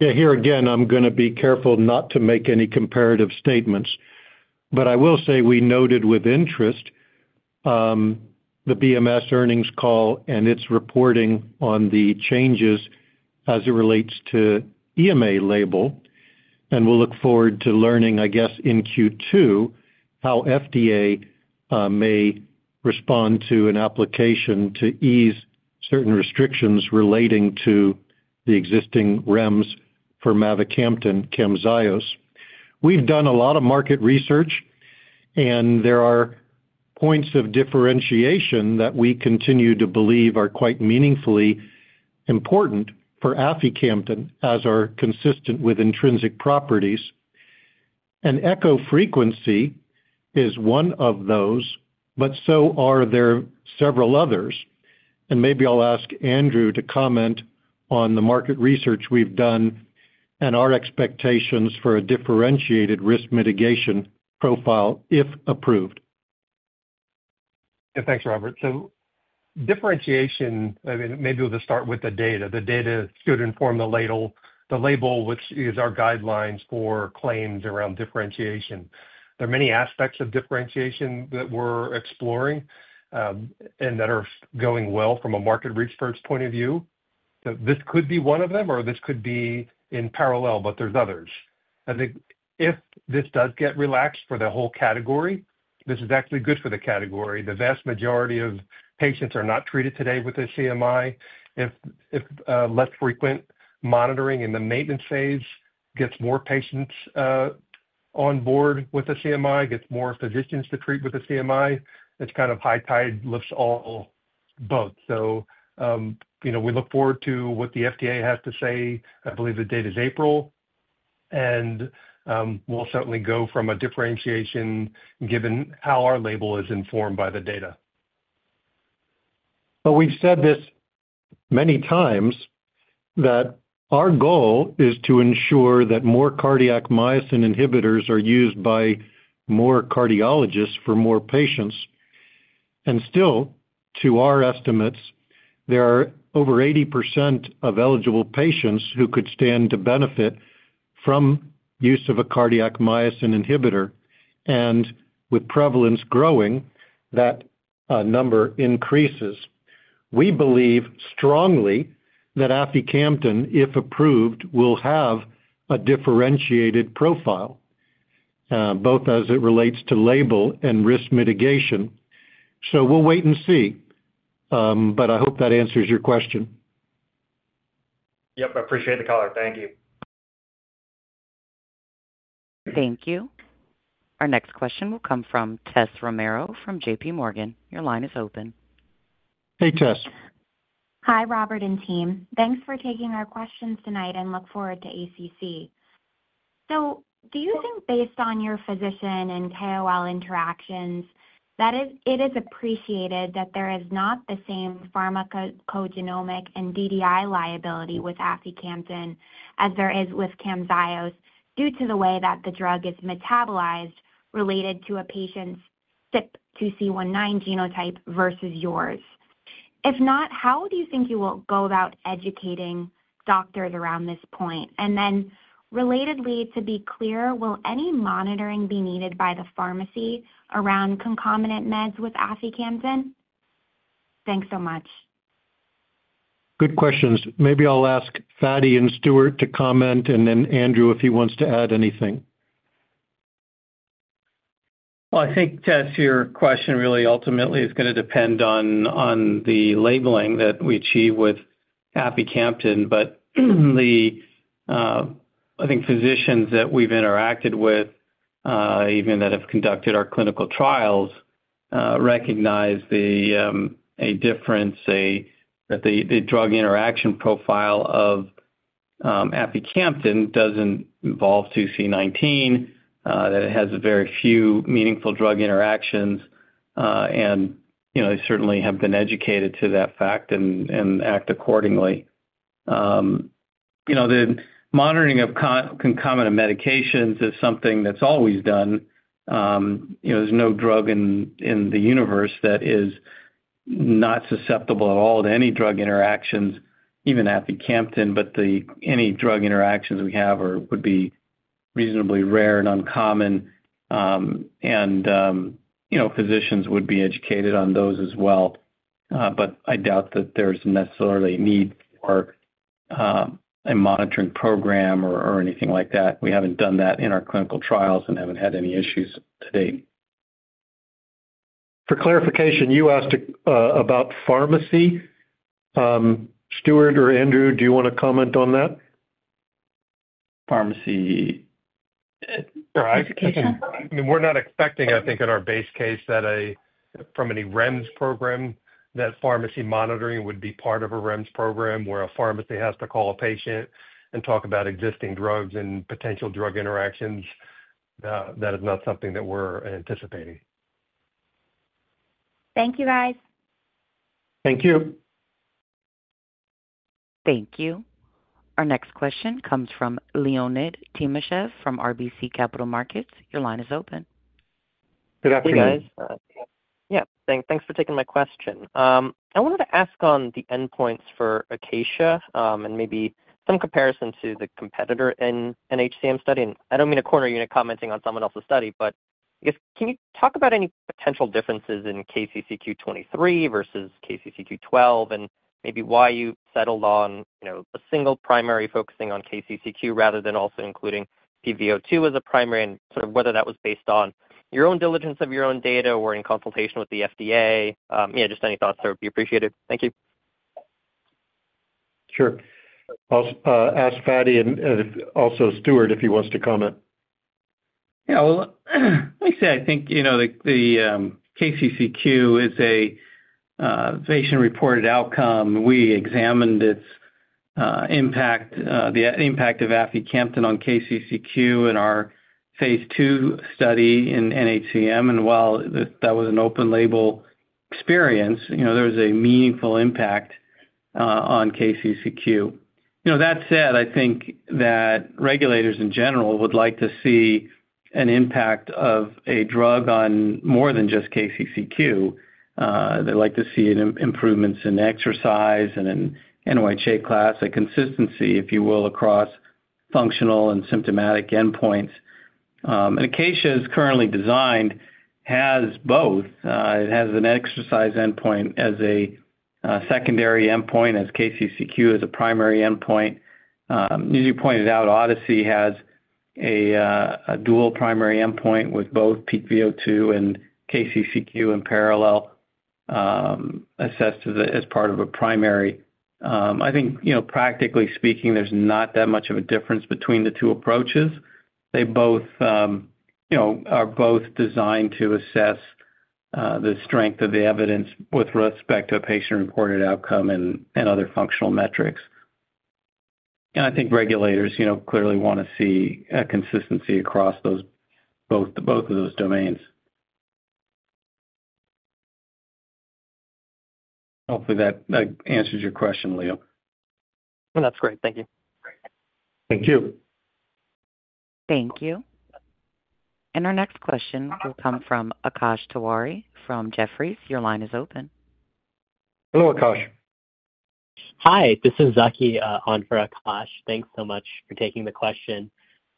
Yeah. Here again, I'm going to be careful not to make any comparative statements. But I will say we noted with interest the BMS earnings call and its reporting on the changes as it relates to EMA label. And we'll look forward to learning, I guess, in Q2 how FDA may respond to an application to ease certain restrictions relating to the existing REMS for mavacamten, Camzyos. We've done a lot of market research, and there are points of differentiation that we continue to believe are quite meaningfully important for aficamten as are consistent with intrinsic properties. And echo frequency is one of those, but so are there several others. And maybe I'll ask Andrew to comment on the market research we've done and our expectations for a differentiated risk mitigation profile if approved. Yeah. Thanks, Robert. So differentiation, I mean, maybe we'll just start with the data. The data should inform the label, which is our guidelines for claims around differentiation. There are many aspects of differentiation that we're exploring and that are going well from a market research point of view. This could be one of them, or this could be in parallel, but there's others. I think if this does get relaxed for the whole category, this is actually good for the category. The vast majority of patients are not treated today with a CMI. If less frequent monitoring in the maintenance phase gets more patients on board with a CMI, gets more physicians to treat with a CMI, it's kind of high tide lifts all boats. So we look forward to what the FDA has to say. I believe the date is April. We'll certainly go from a differentiation given how our label is informed by the data. We've said this many times, that our goal is to ensure that more cardiac myosin inhibitors are used by more cardiologists for more patients. And still, to our estimates, there are over 80% of eligible patients who could stand to benefit from use of a cardiac myosin inhibitor. And with prevalence growing, that number increases. We believe strongly that aficamten, if approved, will have a differentiated profile, both as it relates to label and risk mitigation. So we'll wait and see. I hope that answers your question. Yep. I appreciate the color. Thank you. Thank you. Our next question will come from Tess Romero from JPMorgan. Your line is open. Hey, Tess. Hi, Robert and team. Thanks for taking our questions tonight, and look forward to ACC. So do you think based on your physician and KOL interactions that it is appreciated that there is not the same pharmacogenomic and DDI liability with aficamten as there is with Camzyos due to the way that the drug is metabolized related to a patient's CYP2C19 genotype versus yours? If not, how do you think you will go about educating doctors around this point? And then relatedly, to be clear, will any monitoring be needed by the pharmacy around concomitant meds with aficamten? Thanks so much. Good questions. Maybe I'll ask Fady and Stuart to comment, and then Andrew if he wants to add anything. I think, Tess, your question really ultimately is going to depend on the labeling that we achieve with aficamten. But I think physicians that we've interacted with, even that have conducted our clinical trials, recognize a difference, say, that the drug interaction profile of aficamten doesn't involve 2C19, that it has very few meaningful drug interactions. And they certainly have been educated to that fact and act accordingly. The monitoring of concomitant medications is something that's always done. There's no drug in the universe that is not susceptible at all to any drug interactions, even aficamten, but any drug interactions we have would be reasonably rare and uncommon. And physicians would be educated on those as well. But I doubt that there's necessarily a need for a monitoring program or anything like that. We haven't done that in our clinical trials and haven't had any issues to date. For clarification, you asked about pharmacy. Stuart or Andrew, do you want to comment on that? Pharmacy. Education. I mean, we're not expecting, I think, in our base case that from any REMS program that pharmacy monitoring would be part of a REMS program where a pharmacy has to call a patient and talk about existing drugs and potential drug interactions. That is not something that we're anticipating. Thank you, guys. Thank you. Thank you. Our next question comes from Leonid Timashev from RBC Capital Markets. Your line is open. Good afternoon. Hey, guys. Yep. Thanks for taking my question. I wanted to ask on the endpoints for ACACIA-HCM and maybe some comparison to the competitor in nHCM study. And I don't mean to corner you into commenting on someone else's study, but I guess, can you talk about any potential differences in KCCQ-23 versus KCCQ-12 and maybe why you settled on a single primary focusing on KCCQ rather than also including pVO2 as a primary and sort of whether that was based on your own diligence of your own data or in consultation with the FDA? Yeah, just any thoughts there would be appreciated. Thank you. Sure. I'll ask Fady and also Stuart if he wants to comment. Yeah. Well, like I say, I think the KCCQ is a patient-reported outcome. We examined the impact of aficamten on KCCQ in our phase two study in nHCM. And while that was an open label experience, there was a meaningful impact on KCCQ. That said, I think that regulators in general would like to see an impact of a drug on more than just KCCQ. They'd like to see improvements in exercise and in NYHA class, a consistency, if you will, across functional and symptomatic endpoints. And ACACIA is currently designed has both. It has an exercise endpoint as a secondary endpoint, as KCCQ as a primary endpoint. As you pointed out, ODYSSEY has a dual primary endpoint with both pVO2 and KCCQ in parallel assessed as part of a primary. I think, practically speaking, there's not that much of a difference between the two approaches. They are both designed to assess the strength of the evidence with respect to a patient-reported outcome and other functional metrics. And I think regulators clearly want to see a consistency across both of those domains. Hopefully, that answers your question, Leo. That's great. Thank you. Thank you. Thank you. And our next question will come from Akash Tewari from Jefferies. Your line is open. Hello, Akash. Hi. This is Zaki on for Akash. Thanks so much for taking the question.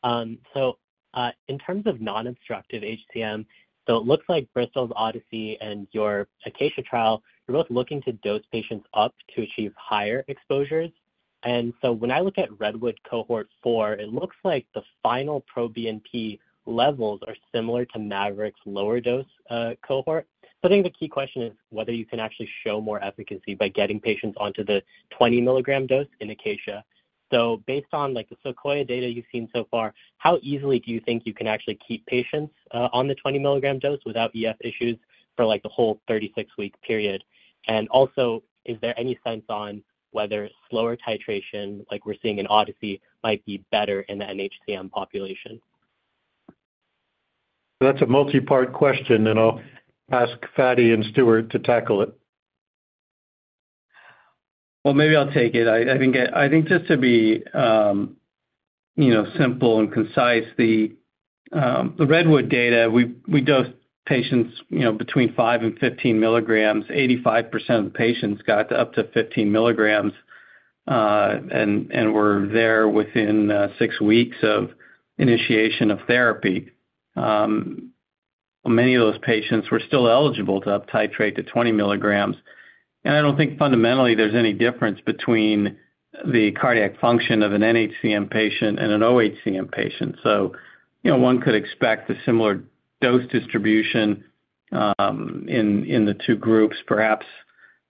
So in terms of non-obstructive HCM, so it looks like Bristol's ODYSSEY and your ACACIA trial, you're both looking to dose patients up to achieve higher exposures. And so when I look at Redwood cohort 4, it looks like the final proBNP levels are similar to mavacamten's lower dose cohort. So I think the key question is whether you can actually show more efficacy by getting patients onto the 20-mg dose in ACACIA. So based on the SEQUOIA data you've seen so far, how easily do you think you can actually keep patients on the 20-mg dose without EF issues for the whole 36-week period? And also, is there any sense on whether slower titration like we're seeing in ODYSSEY might be better in the nHCM population? That's a multi-part question, and I'll ask Fady and Stuart to tackle it. Maybe I'll take it. I think just to be simple and concise, the Redwood data, we dosed patients between five and 15 mg. 85% of the patients got up to 15 mg, and were there within six weeks of initiation of therapy. Many of those patients were still eligible to up-titrate to 20 mg. I don't think fundamentally there's any difference between the cardiac function of an nHCM patient and an oHCM patient. One could expect a similar dose distribution in the two groups, perhaps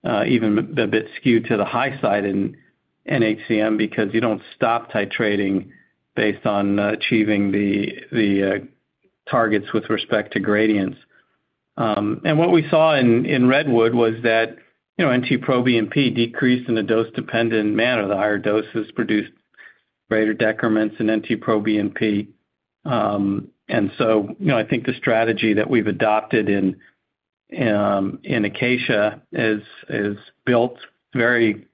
even a bit skewed to the high side in nHCM because you don't stop titrating based on achieving the targets with respect to gradients. What we saw in Redwood was that NT-proBNP decreased in a dose-dependent manner. The higher doses produced greater decrements in NT-proBNP. And so I think the strategy that we've adopted in ACACIA is built very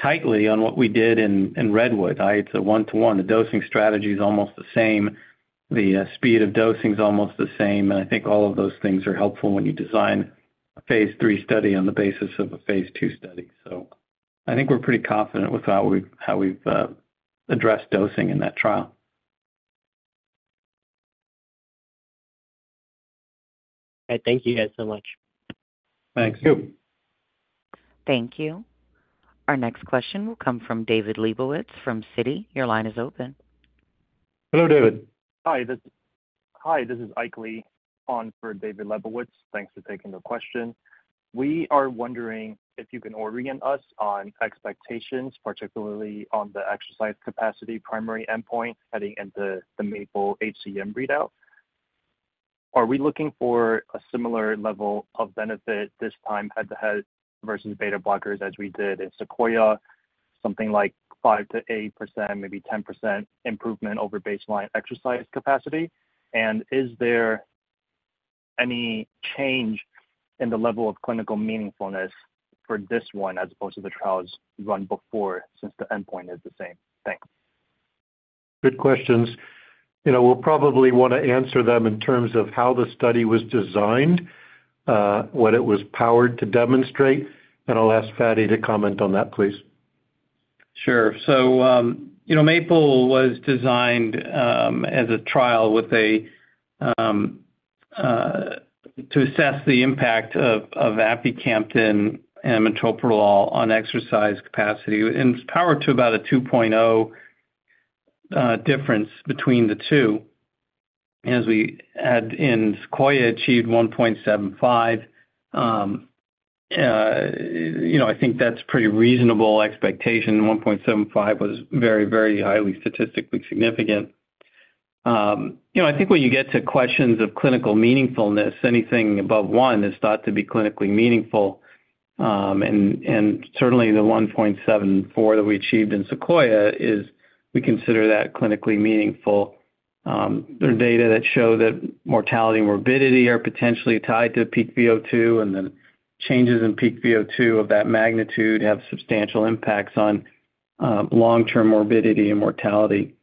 tightly on what we did in Redwood. It's a one-to-one. The dosing strategy is almost the same. The speed of dosing is almost the same. And I think all of those things are helpful when you design a phase III study on the basis of a phase two study. So I think we're pretty confident with how we've addressed dosing in that trial. All right. Thank you guys so much. Thanks. Thank you. Our next question will come from David Lebowitz from Citi. Your line is open. Hello, David. Hi. This is Ike Lee on for David Lebowitz. Thanks for taking the question. We are wondering if you can orient us on expectations, particularly on the exercise capacity primary endpoint heading into the MAPLE-HCM readout. Are we looking for a similar level of benefit this time head-to-head versus beta blockers as we did in SEQUOIA-HCM, something like 5%-8%, maybe 10% improvement over baseline exercise capacity? And is there any change in the level of clinical meaningfulness for this one as opposed to the trials run before since the endpoint is the same? Thanks. Good questions. We'll probably want to answer them in terms of how the study was designed, what it was powered to demonstrate. And I'll ask Fady to comment on that, please. Sure. So MAPLE was designed as a trial to assess the impact of aficamten and metoprolol on exercise capacity. And it's powered to about a 2.0 difference between the two. As we had in SEQUOIA, achieved 1.75. I think that's a pretty reasonable expectation. 1.75 was very, very highly statistically significant. I think when you get to questions of clinical meaningfulness, anything above one is thought to be clinically meaningful. And certainly, the 1.74 that we achieved in SEQUOIA is we consider that clinically meaningful. There are data that show that mortality and morbidity are potentially tied to peak VO2, and then changes in peak VO2 of that magnitude have substantial impacts on long-term morbidity and mortality.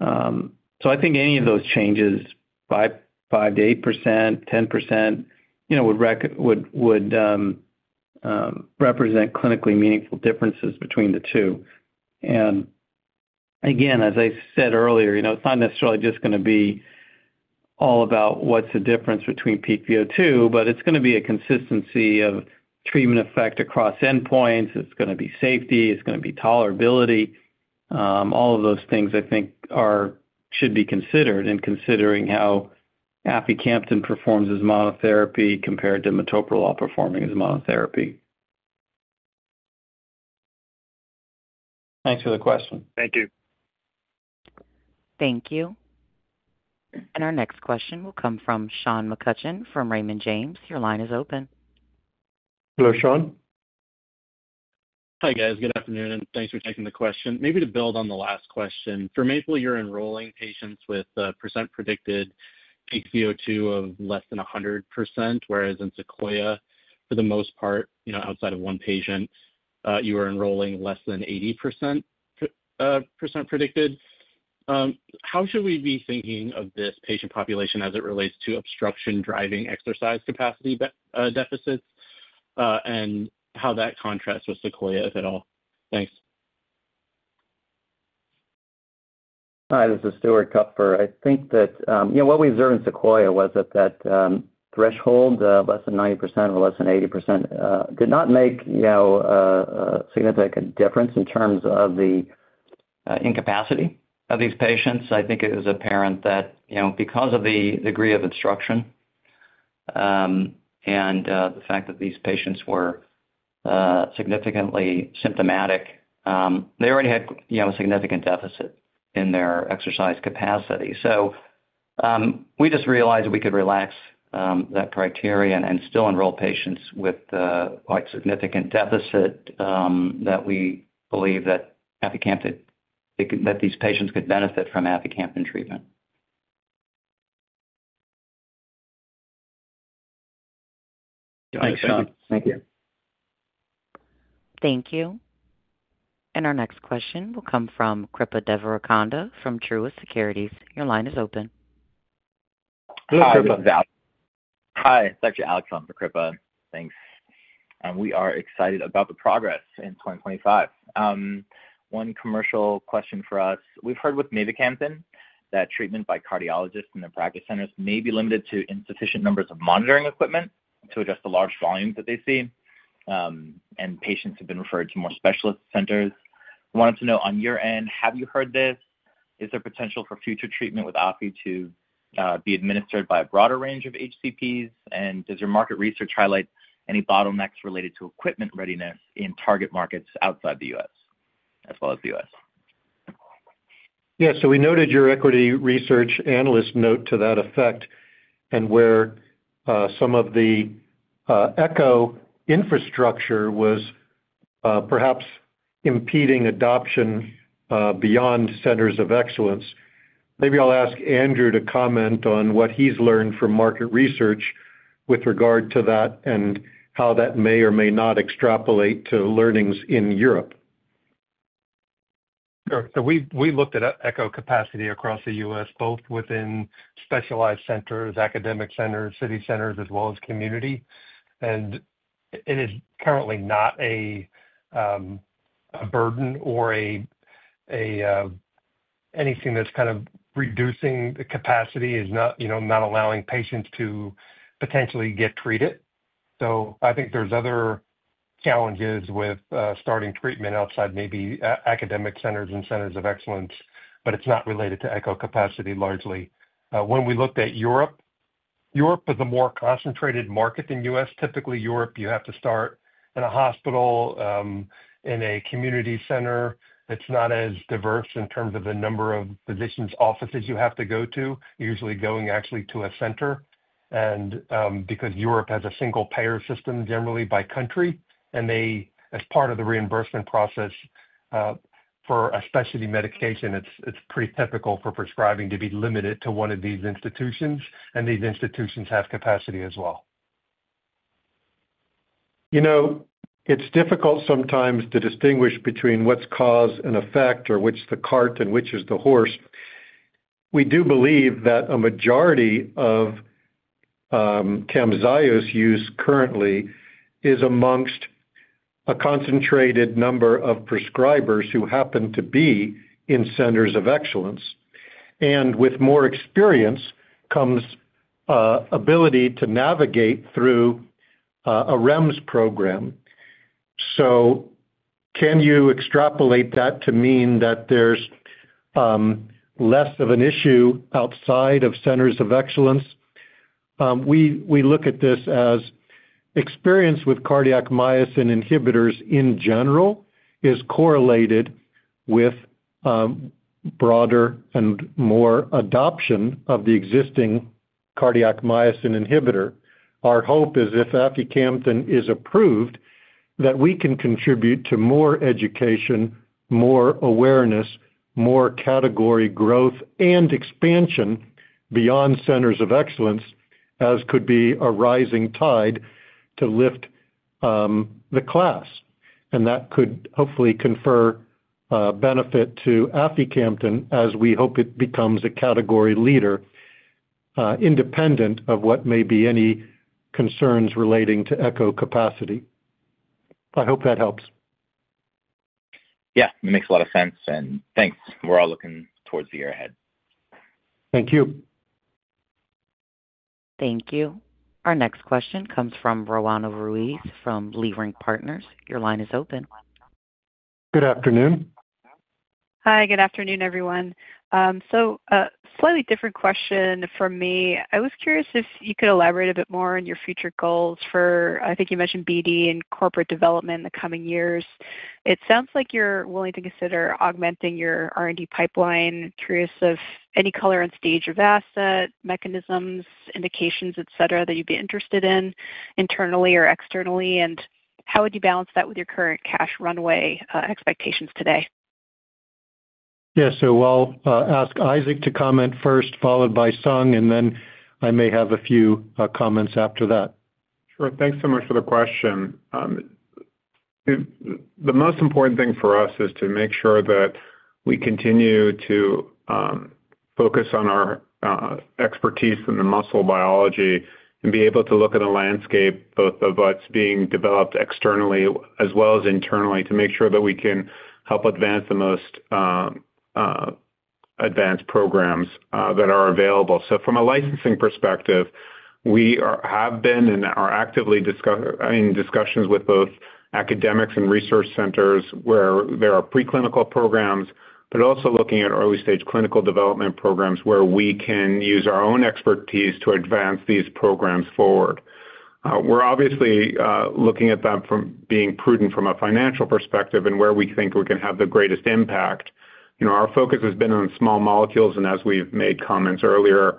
So I think any of those changes, 5%-8%, 10%, would represent clinically meaningful differences between the two. And again, as I said earlier, it's not necessarily just going to be all about what's the difference between peak VO2, but it's going to be a consistency of treatment effect across endpoints. It's going to be safety. It's going to be tolerability. All of those things, I think, should be considered in considering how aficamten performs as monotherapy compared to metoprolol performing as monotherapy. Thanks for the question. Thank you. Thank you. And our next question will come from Sean McCutcheon from Raymond James. Your line is open. Hello, Sean. Hi, guys. Good afternoon, and thanks for taking the question. Maybe to build on the last question. For MAPLE, you're enrolling patients with a percent predicted peak VO2 of less than 100%, whereas in SEQUOIA, for the most part, outside of one patient, you are enrolling less than 80% predicted. How should we be thinking of this patient population as it relates to obstruction-driving exercise capacity deficits and how that contrasts with SEQUOIA, if at all? Thanks. Hi. This is Stuart Kupfer. I think that what we observed in SEQUOIA-HCM was that that threshold, less than 90% or less than 80%, did not make a significant difference in terms of the incapacity of these patients. I think it was apparent that because of the degree of obstruction and the fact that these patients were significantly symptomatic, they already had a significant deficit in their exercise capacity. So we just realized we could relax that criteria and still enroll patients with quite significant deficit that we believe that these patients could benefit from aficamten treatment. Thanks, Sean. Thank you. Thank you. And our next question will come from Kripa Devarikonda from Truist Securities. Your line is open. Hello, Kripa. Hi. It's actually Alex from Kripa. Thanks, and we are excited about the progress in 2025. One commercial question for us. We've heard with mavacamten that treatment by cardiologists in their practice centers may be limited to insufficient numbers of monitoring equipment to adjust the large volumes that they see, and patients have been referred to more specialist centers. Wanted to know on your end, have you heard this? Is there potential for future treatment with aficamten to be administered by a broader range of HCPs? And does your market research highlight any bottlenecks related to equipment readiness in target markets outside the U.S. as well as the U.S.? Yeah. So we noted your equity research analyst note to that effect and where some of the echo infrastructure was perhaps impeding adoption beyond centers of excellence. Maybe I'll ask Andrew to comment on what he's learned from market research with regard to that and how that may or may not extrapolate to learnings in Europe. Sure. So we looked at ECHO capacity across the U.S., both within specialized centers, academic centers, city centers, as well as community. And it is currently not a burden or anything that's kind of reducing the capacity is not allowing patients to potentially get treated. So I think there's other challenges with starting treatment outside maybe academic centers and centers of excellence, but it's not related to ECHO capacity largely. When we looked at Europe, Europe is a more concentrated market than the U.S. Typically, Europe, you have to start in a hospital, in a community center. It's not as diverse in terms of the number of physicians' offices you have to go to, usually going actually to a center. Because Europe has a single payer system generally by country, and as part of the reimbursement process for a specialty medication, it's pretty typical for prescribing to be limited to one of these institutions, and these institutions have capacity as well. It's difficult sometimes to distinguish between what's cause and effect or which is the cart and which is the horse. We do believe that a majority of Camzyos use currently is amongst a concentrated number of prescribers who happen to be in centers of excellence. And with more experience comes ability to navigate through a REMS program. So can you extrapolate that to mean that there's less of an issue outside of centers of excellence? We look at this as experience with cardiac myosin inhibitors in general is correlated with broader and more adoption of the existing cardiac myosin inhibitor. Our hope is if aficamten is approved, that we can contribute to more education, more awareness, more category growth and expansion beyond centers of excellence, as could be a rising tide to lift the class. That could hopefully confer benefit to aficamten as we hope it becomes a category leader independent of what may be any concerns relating to ECHO capacity. I hope that helps. Yeah. Makes a lot of sense, and thanks. We're all looking towards the year ahead. Thank you. Thank you. Our next question comes from Roanna Ruiz from Leerink Partners. Your line is open. Good afternoon. Hi. Good afternoon, everyone. So a slightly different question from me. I was curious if you could elaborate a bit more on your future goals for, I think you mentioned BD and corporate development in the coming years. It sounds like you're willing to consider augmenting your R&D pipeline. Curious of any color on stage of asset mechanisms, indications, etc., that you'd be interested in internally or externally. And how would you balance that with your current cash runway expectations today? Yeah. So I'll ask Isaac to comment first, followed by Sung, and then I may have a few comments after that. Sure. Thanks so much for the question. The most important thing for us is to make sure that we continue to focus on our expertise in the muscle biology and be able to look at a landscape both of us being developed externally as well as internally to make sure that we can help advance the most advanced programs that are available. So from a licensing perspective, we have been and are actively in discussions with both academics and research centers where there are preclinical programs, but also looking at early-stage clinical development programs where we can use our own expertise to advance these programs forward. We're obviously looking at that from being prudent from a financial perspective and where we think we can have the greatest impact. Our focus has been on small molecules, and as we've made comments earlier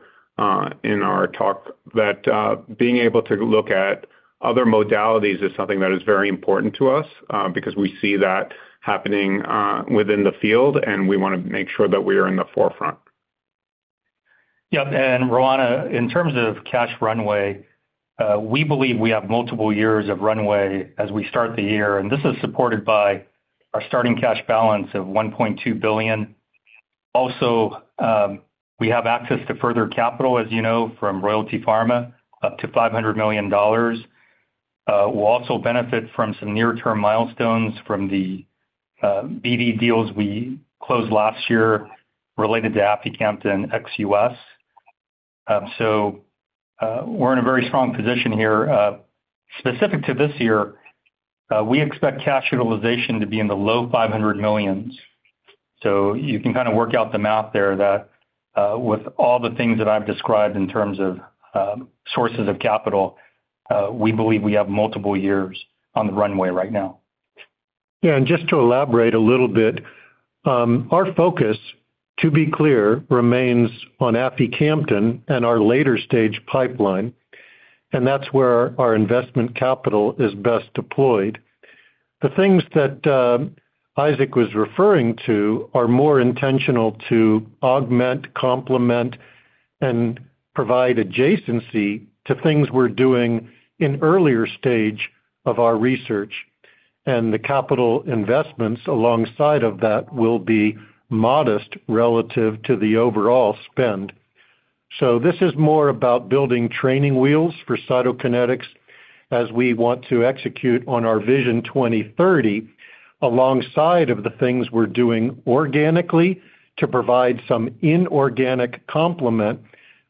in our talk, that being able to look at other modalities is something that is very important to us because we see that happening within the field, and we want to make sure that we are in the forefront. Yep. And Roanna, in terms of cash runway, we believe we have multiple years of runway as we start the year. And this is supported by our starting cash balance of $1.2 billion. Also, we have access to further capital, as you know, from Royalty Pharma up to $500 million. We'll also benefit from some near-term milestones from the BD deals we closed last year related to aficamten XUS. So we're in a very strong position here. Specific to this year, we expect cash utilization to be in the low $500 millions. So you can kind of work out the math there that with all the things that I've described in terms of sources of capital, we believe we have multiple years on the runway right now. Yeah. And just to elaborate a little bit, our focus, to be clear, remains on aficamten and our later-stage pipeline, and that's where our investment capital is best deployed. The things that Isaac was referring to are more intentional to augment, complement, and provide adjacency to things we're doing in earlier stage of our research. And the capital investments alongside of that will be modest relative to the overall spend. So this is more about building training wheels for Cytokinetics as we want to execute on our Vision 2030 alongside of the things we're doing organically to provide some inorganic complement,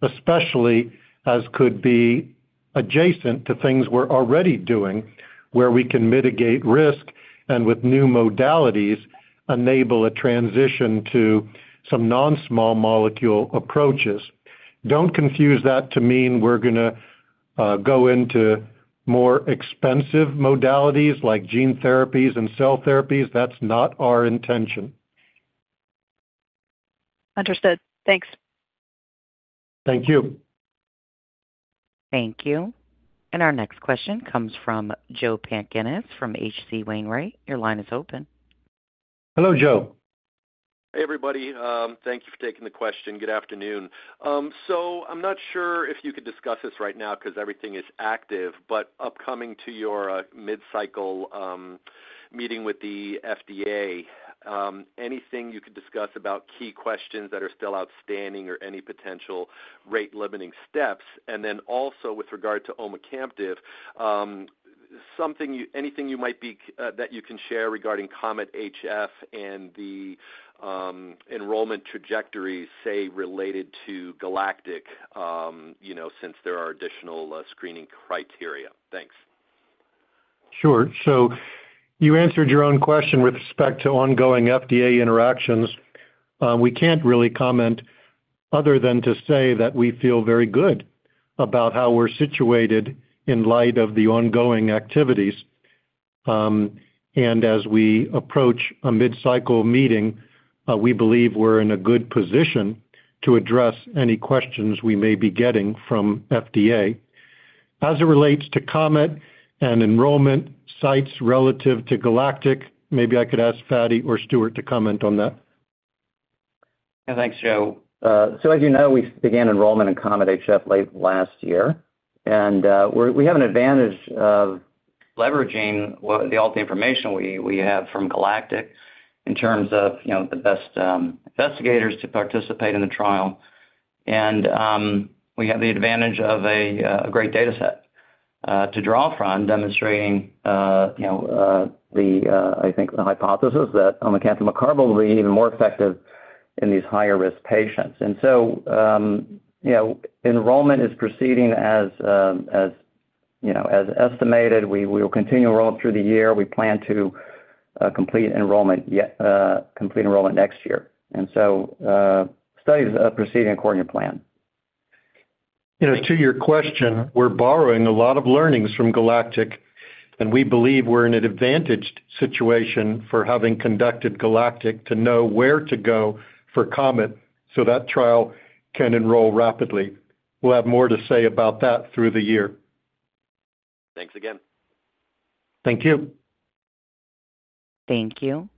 especially as could be adjacent to things we're already doing where we can mitigate risk and with new modalities enable a transition to some non-small molecule approaches. Don't confuse that to mean we're going to go into more expensive modalities like gene therapies and cell therapies. That's not our intention. Understood. Thanks. Thank you. Thank you. And our next question comes from Joe Pantginis from H.C. Wainwright. Your line is open. Hello, Joe. Hey, everybody. Thank you for taking the question. Good afternoon. So I'm not sure if you could discuss this right now because everything is active, but upcoming to your Mid-Cycle Meeting with the FDA, anything you could discuss about key questions that are still outstanding or any potential rate-limiting steps? And then also with regard to omecamtiv mecarbil, anything you might be that you can share regarding COMET-HF and the enrollment trajectories, say, related to GALACTIC-HF since there are additional screening criteria. Thanks. Sure. So you answered your own question with respect to ongoing FDA interactions. We can't really comment other than to say that we feel very good about how we're situated in light of the ongoing activities. And as we approach a Mid-Cycle Meeting, we believe we're in a good position to address any questions we may be getting from FDA. As it relates to COMET and enrollment sites relative to GALACTIC, maybe I could ask Fady or Stuart to comment on that. Thanks, Joe. So as you know, we began enrollment in COMET-HF late last year. And we have an advantage of leveraging all the information we have from GALACTIC-HF in terms of the best investigators to participate in the trial. And we have the advantage of a great data set to draw from demonstrating the, I think, the hypothesis that omecamtiv mecarbil will be even more effective in these higher-risk patients. And so enrollment is proceeding as estimated. We will continue enrollment through the year. We plan to complete enrollment next year. And so studies are proceeding according to plan. To your question, we're borrowing a lot of learnings from GALACTIC, and we believe we're in an advantaged situation for having conducted GALACTIC to know where to go for COMET so that trial can enroll rapidly. We'll have more to say about that through the year. Thanks again. Thank you. Thank you.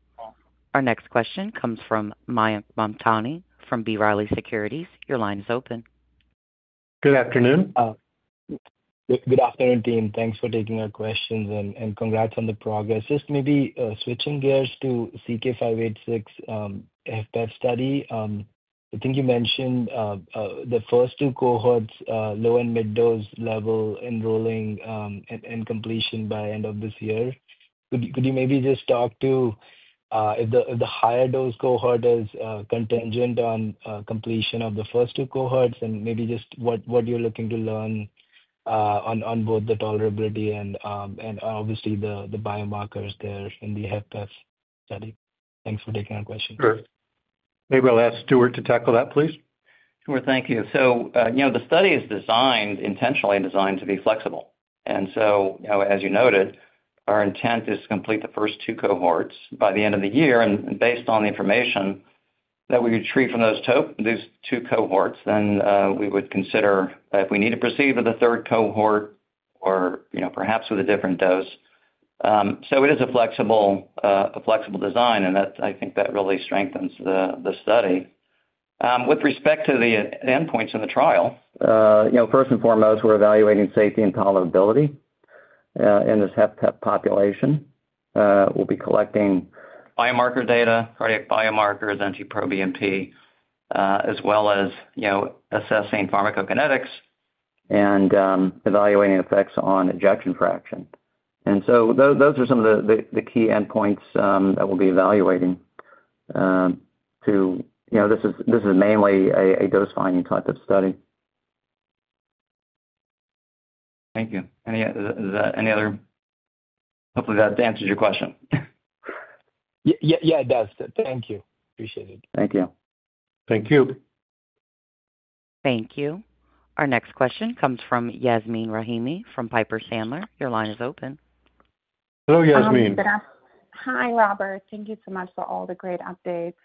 Our next question comes from Mayank Mamtani from B. Riley Securities. Your line is open. Good afternoon. Good afternoon, team. Thanks for taking our questions and congrats on the progress. Just maybe switching gears to CK-586 HFpEF study. I think you mentioned the first two cohorts, low and mid-dose level enrolling and completion by end of this year. Could you maybe just talk to if the higher-dose cohort is contingent on completion of the first two cohorts and maybe just what you're looking to learn on both the tolerability and obviously the biomarkers there in the HFpEF study? Thanks for taking our question. Sure. Maybe I'll ask Stuart to tackle that, please. Sure. Thank you. The study is intentionally designed to be flexible. And so as you noted, our intent is to complete the first two cohorts by the end of the year. And based on the information that we retrieve from those two cohorts, then we would consider if we need to proceed with the third cohort or perhaps with a different dose. It is a flexible design, and I think that really strengthens the study. With respect to the endpoints in the trial, first and foremost, we're evaluating safety and tolerability in this HFpEF population. We'll be collecting biomarker data, cardiac biomarkers, NT-proBNP, as well as assessing pharmacokinetics and evaluating effects on ejection fraction. And so those are some of the key endpoints that we'll be evaluating. This is mainly a dose-finding type of study. Thank you. Hopefully, that answers your question. Yeah, it does. Thank you. Appreciate it. Thank you. Thank you. Thank you. Our next question comes from Yasmeen Rahimi from Piper Sandler. Your line is open. Hello, Yasmeen. Hi, Robert. Thank you so much for all the great updates.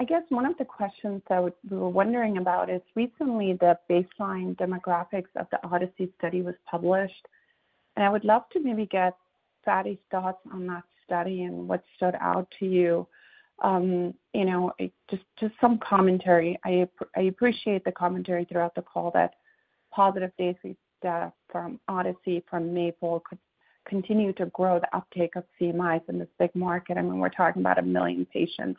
I guess one of the questions that we were wondering about is recently the baseline demographics of the ODYSSEY study was published. And I would love to maybe get Fady's thoughts on that study and what stood out to you. Just some commentary. I appreciate the commentary throughout the call that positive data from ODYSSEY from MAPLE could continue to grow the uptake of CMIs in this big market. I mean, we're talking about a million patients,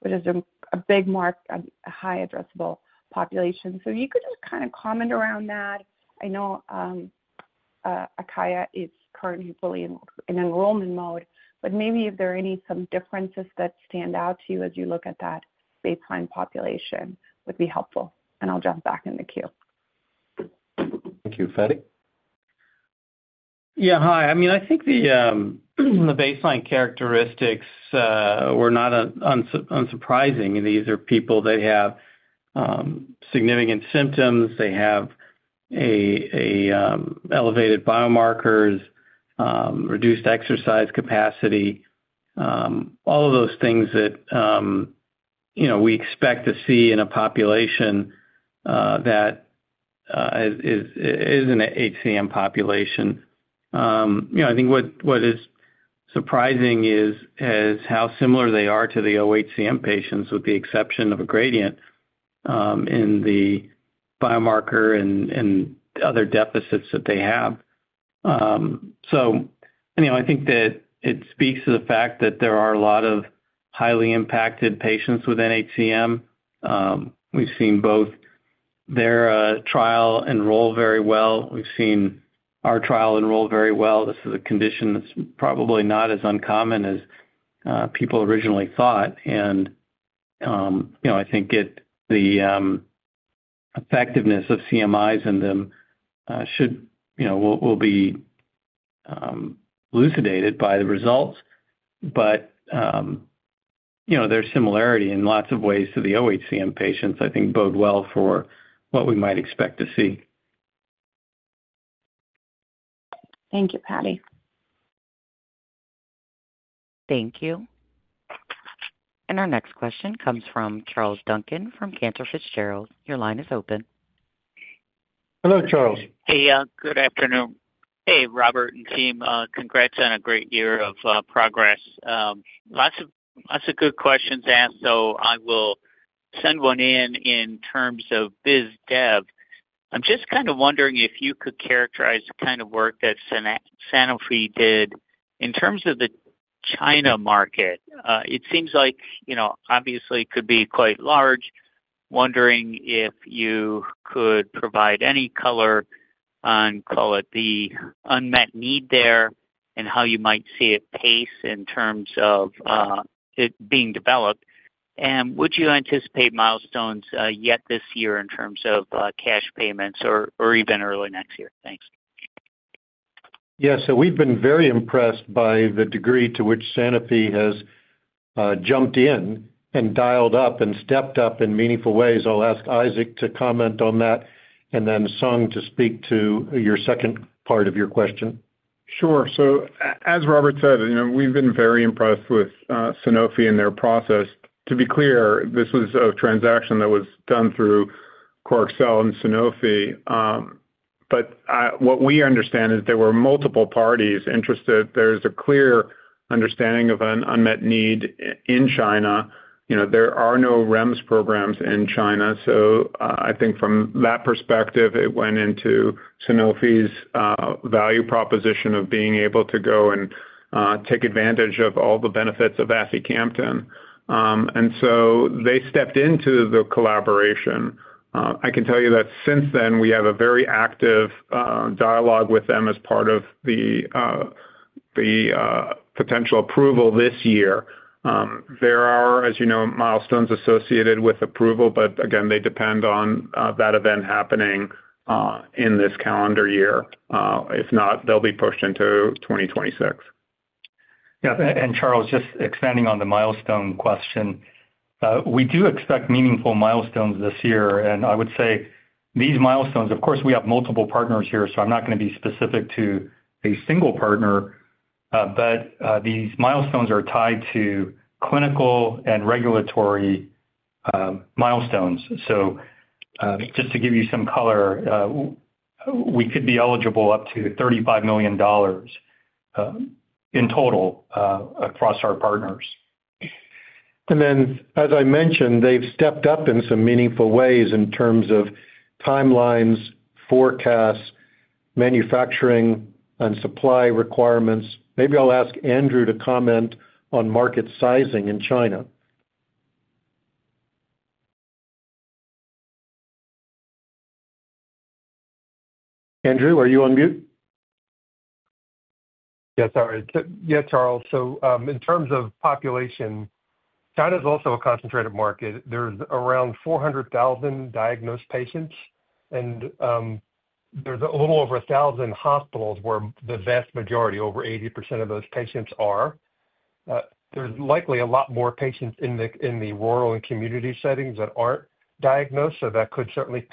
which is a big market, a high addressable population. So you could just kind of comment around that. I know ACACIA is currently fully in enrollment mode, but maybe if there are any differences that stand out to you as you look at that baseline population would be helpful. And I'll jump back in the queue. Thank you. Fady? Yeah. Hi. I mean, I think the baseline characteristics were not unsurprising. These are people that have significant symptoms. They have elevated biomarkers, reduced exercise capacity, all of those things that we expect to see in a population that is an HCM population. I think what is surprising is how similar they are to the oHCM patients with the exception of a gradient in the biomarker and other deficits that they have. So I think that it speaks to the fact that there are a lot of highly impacted patients within HCM. We've seen both their trial enroll very well. We've seen our trial enroll very well. This is a condition that's probably not as uncommon as people originally thought. And I think the effectiveness of CMIs in them will be elucidated by the results. But their similarity in lots of ways to the oHCM patients, I think, bode well for what we might expect to see. Thank you, Fady. Thank you. And our next question comes from Charles Duncan from Cantor Fitzgerald. Your line is open. Hello, Charles. Hey, good afternoon. Hey, Robert and team. Congrats on a great year of progress. Lots of good questions asked, so I will send one in terms of biz dev. I'm just kind of wondering if you could characterize the kind of work that Sanofi did in terms of the China market. It seems like, obviously, it could be quite large. Wondering if you could provide any color on, call it, the unmet need there and how you might see it pace in terms of it being developed. And would you anticipate milestones yet this year in terms of cash payments or even early next year? Thanks. Yeah. So we've been very impressed by the degree to which Sanofi has jumped in and dialed up and stepped up in meaningful ways. I'll ask Isaac to comment on that and then Sung to speak to your second part of your question. Sure. So as Robert said, we've been very impressed with Sanofi and their process. To be clear, this was a transaction that was done through Corxel and Sanofi. But what we understand is there were multiple parties interested. There is a clear understanding of an unmet need in China. There are no REMS programs in China. So I think from that perspective, it went into Sanofi's value proposition of being able to go and take advantage of all the benefits of aficamten. And so they stepped into the collaboration. I can tell you that since then, we have a very active dialogue with them as part of the potential approval this year. There are, as you know, milestones associated with approval, but again, they depend on that event happening in this calendar year. If not, they'll be pushed into 2026. Yeah. And Charles, just expanding on the milestone question, we do expect meaningful milestones this year. And I would say these milestones, of course, we have multiple partners here, so I'm not going to be specific to a single partner. But these milestones are tied to clinical and regulatory milestones. So just to give you some color, we could be eligible up to $35 million in total across our partners. And then, as I mentioned, they've stepped up in some meaningful ways in terms of timelines, forecasts, manufacturing, and supply requirements. Maybe I'll ask Andrew to comment on market sizing in China. Andrew, are you on mute? Yeah. Sorry. Yeah, Charles. So in terms of population, China is also a concentrated market. There's around 400,000 diagnosed patients. And there's a little over 1,000 hospitals where the vast majority, over 80% of those patients are. There's likely a lot more patients in the rural and community settings that aren't diagnosed. So that could certainly.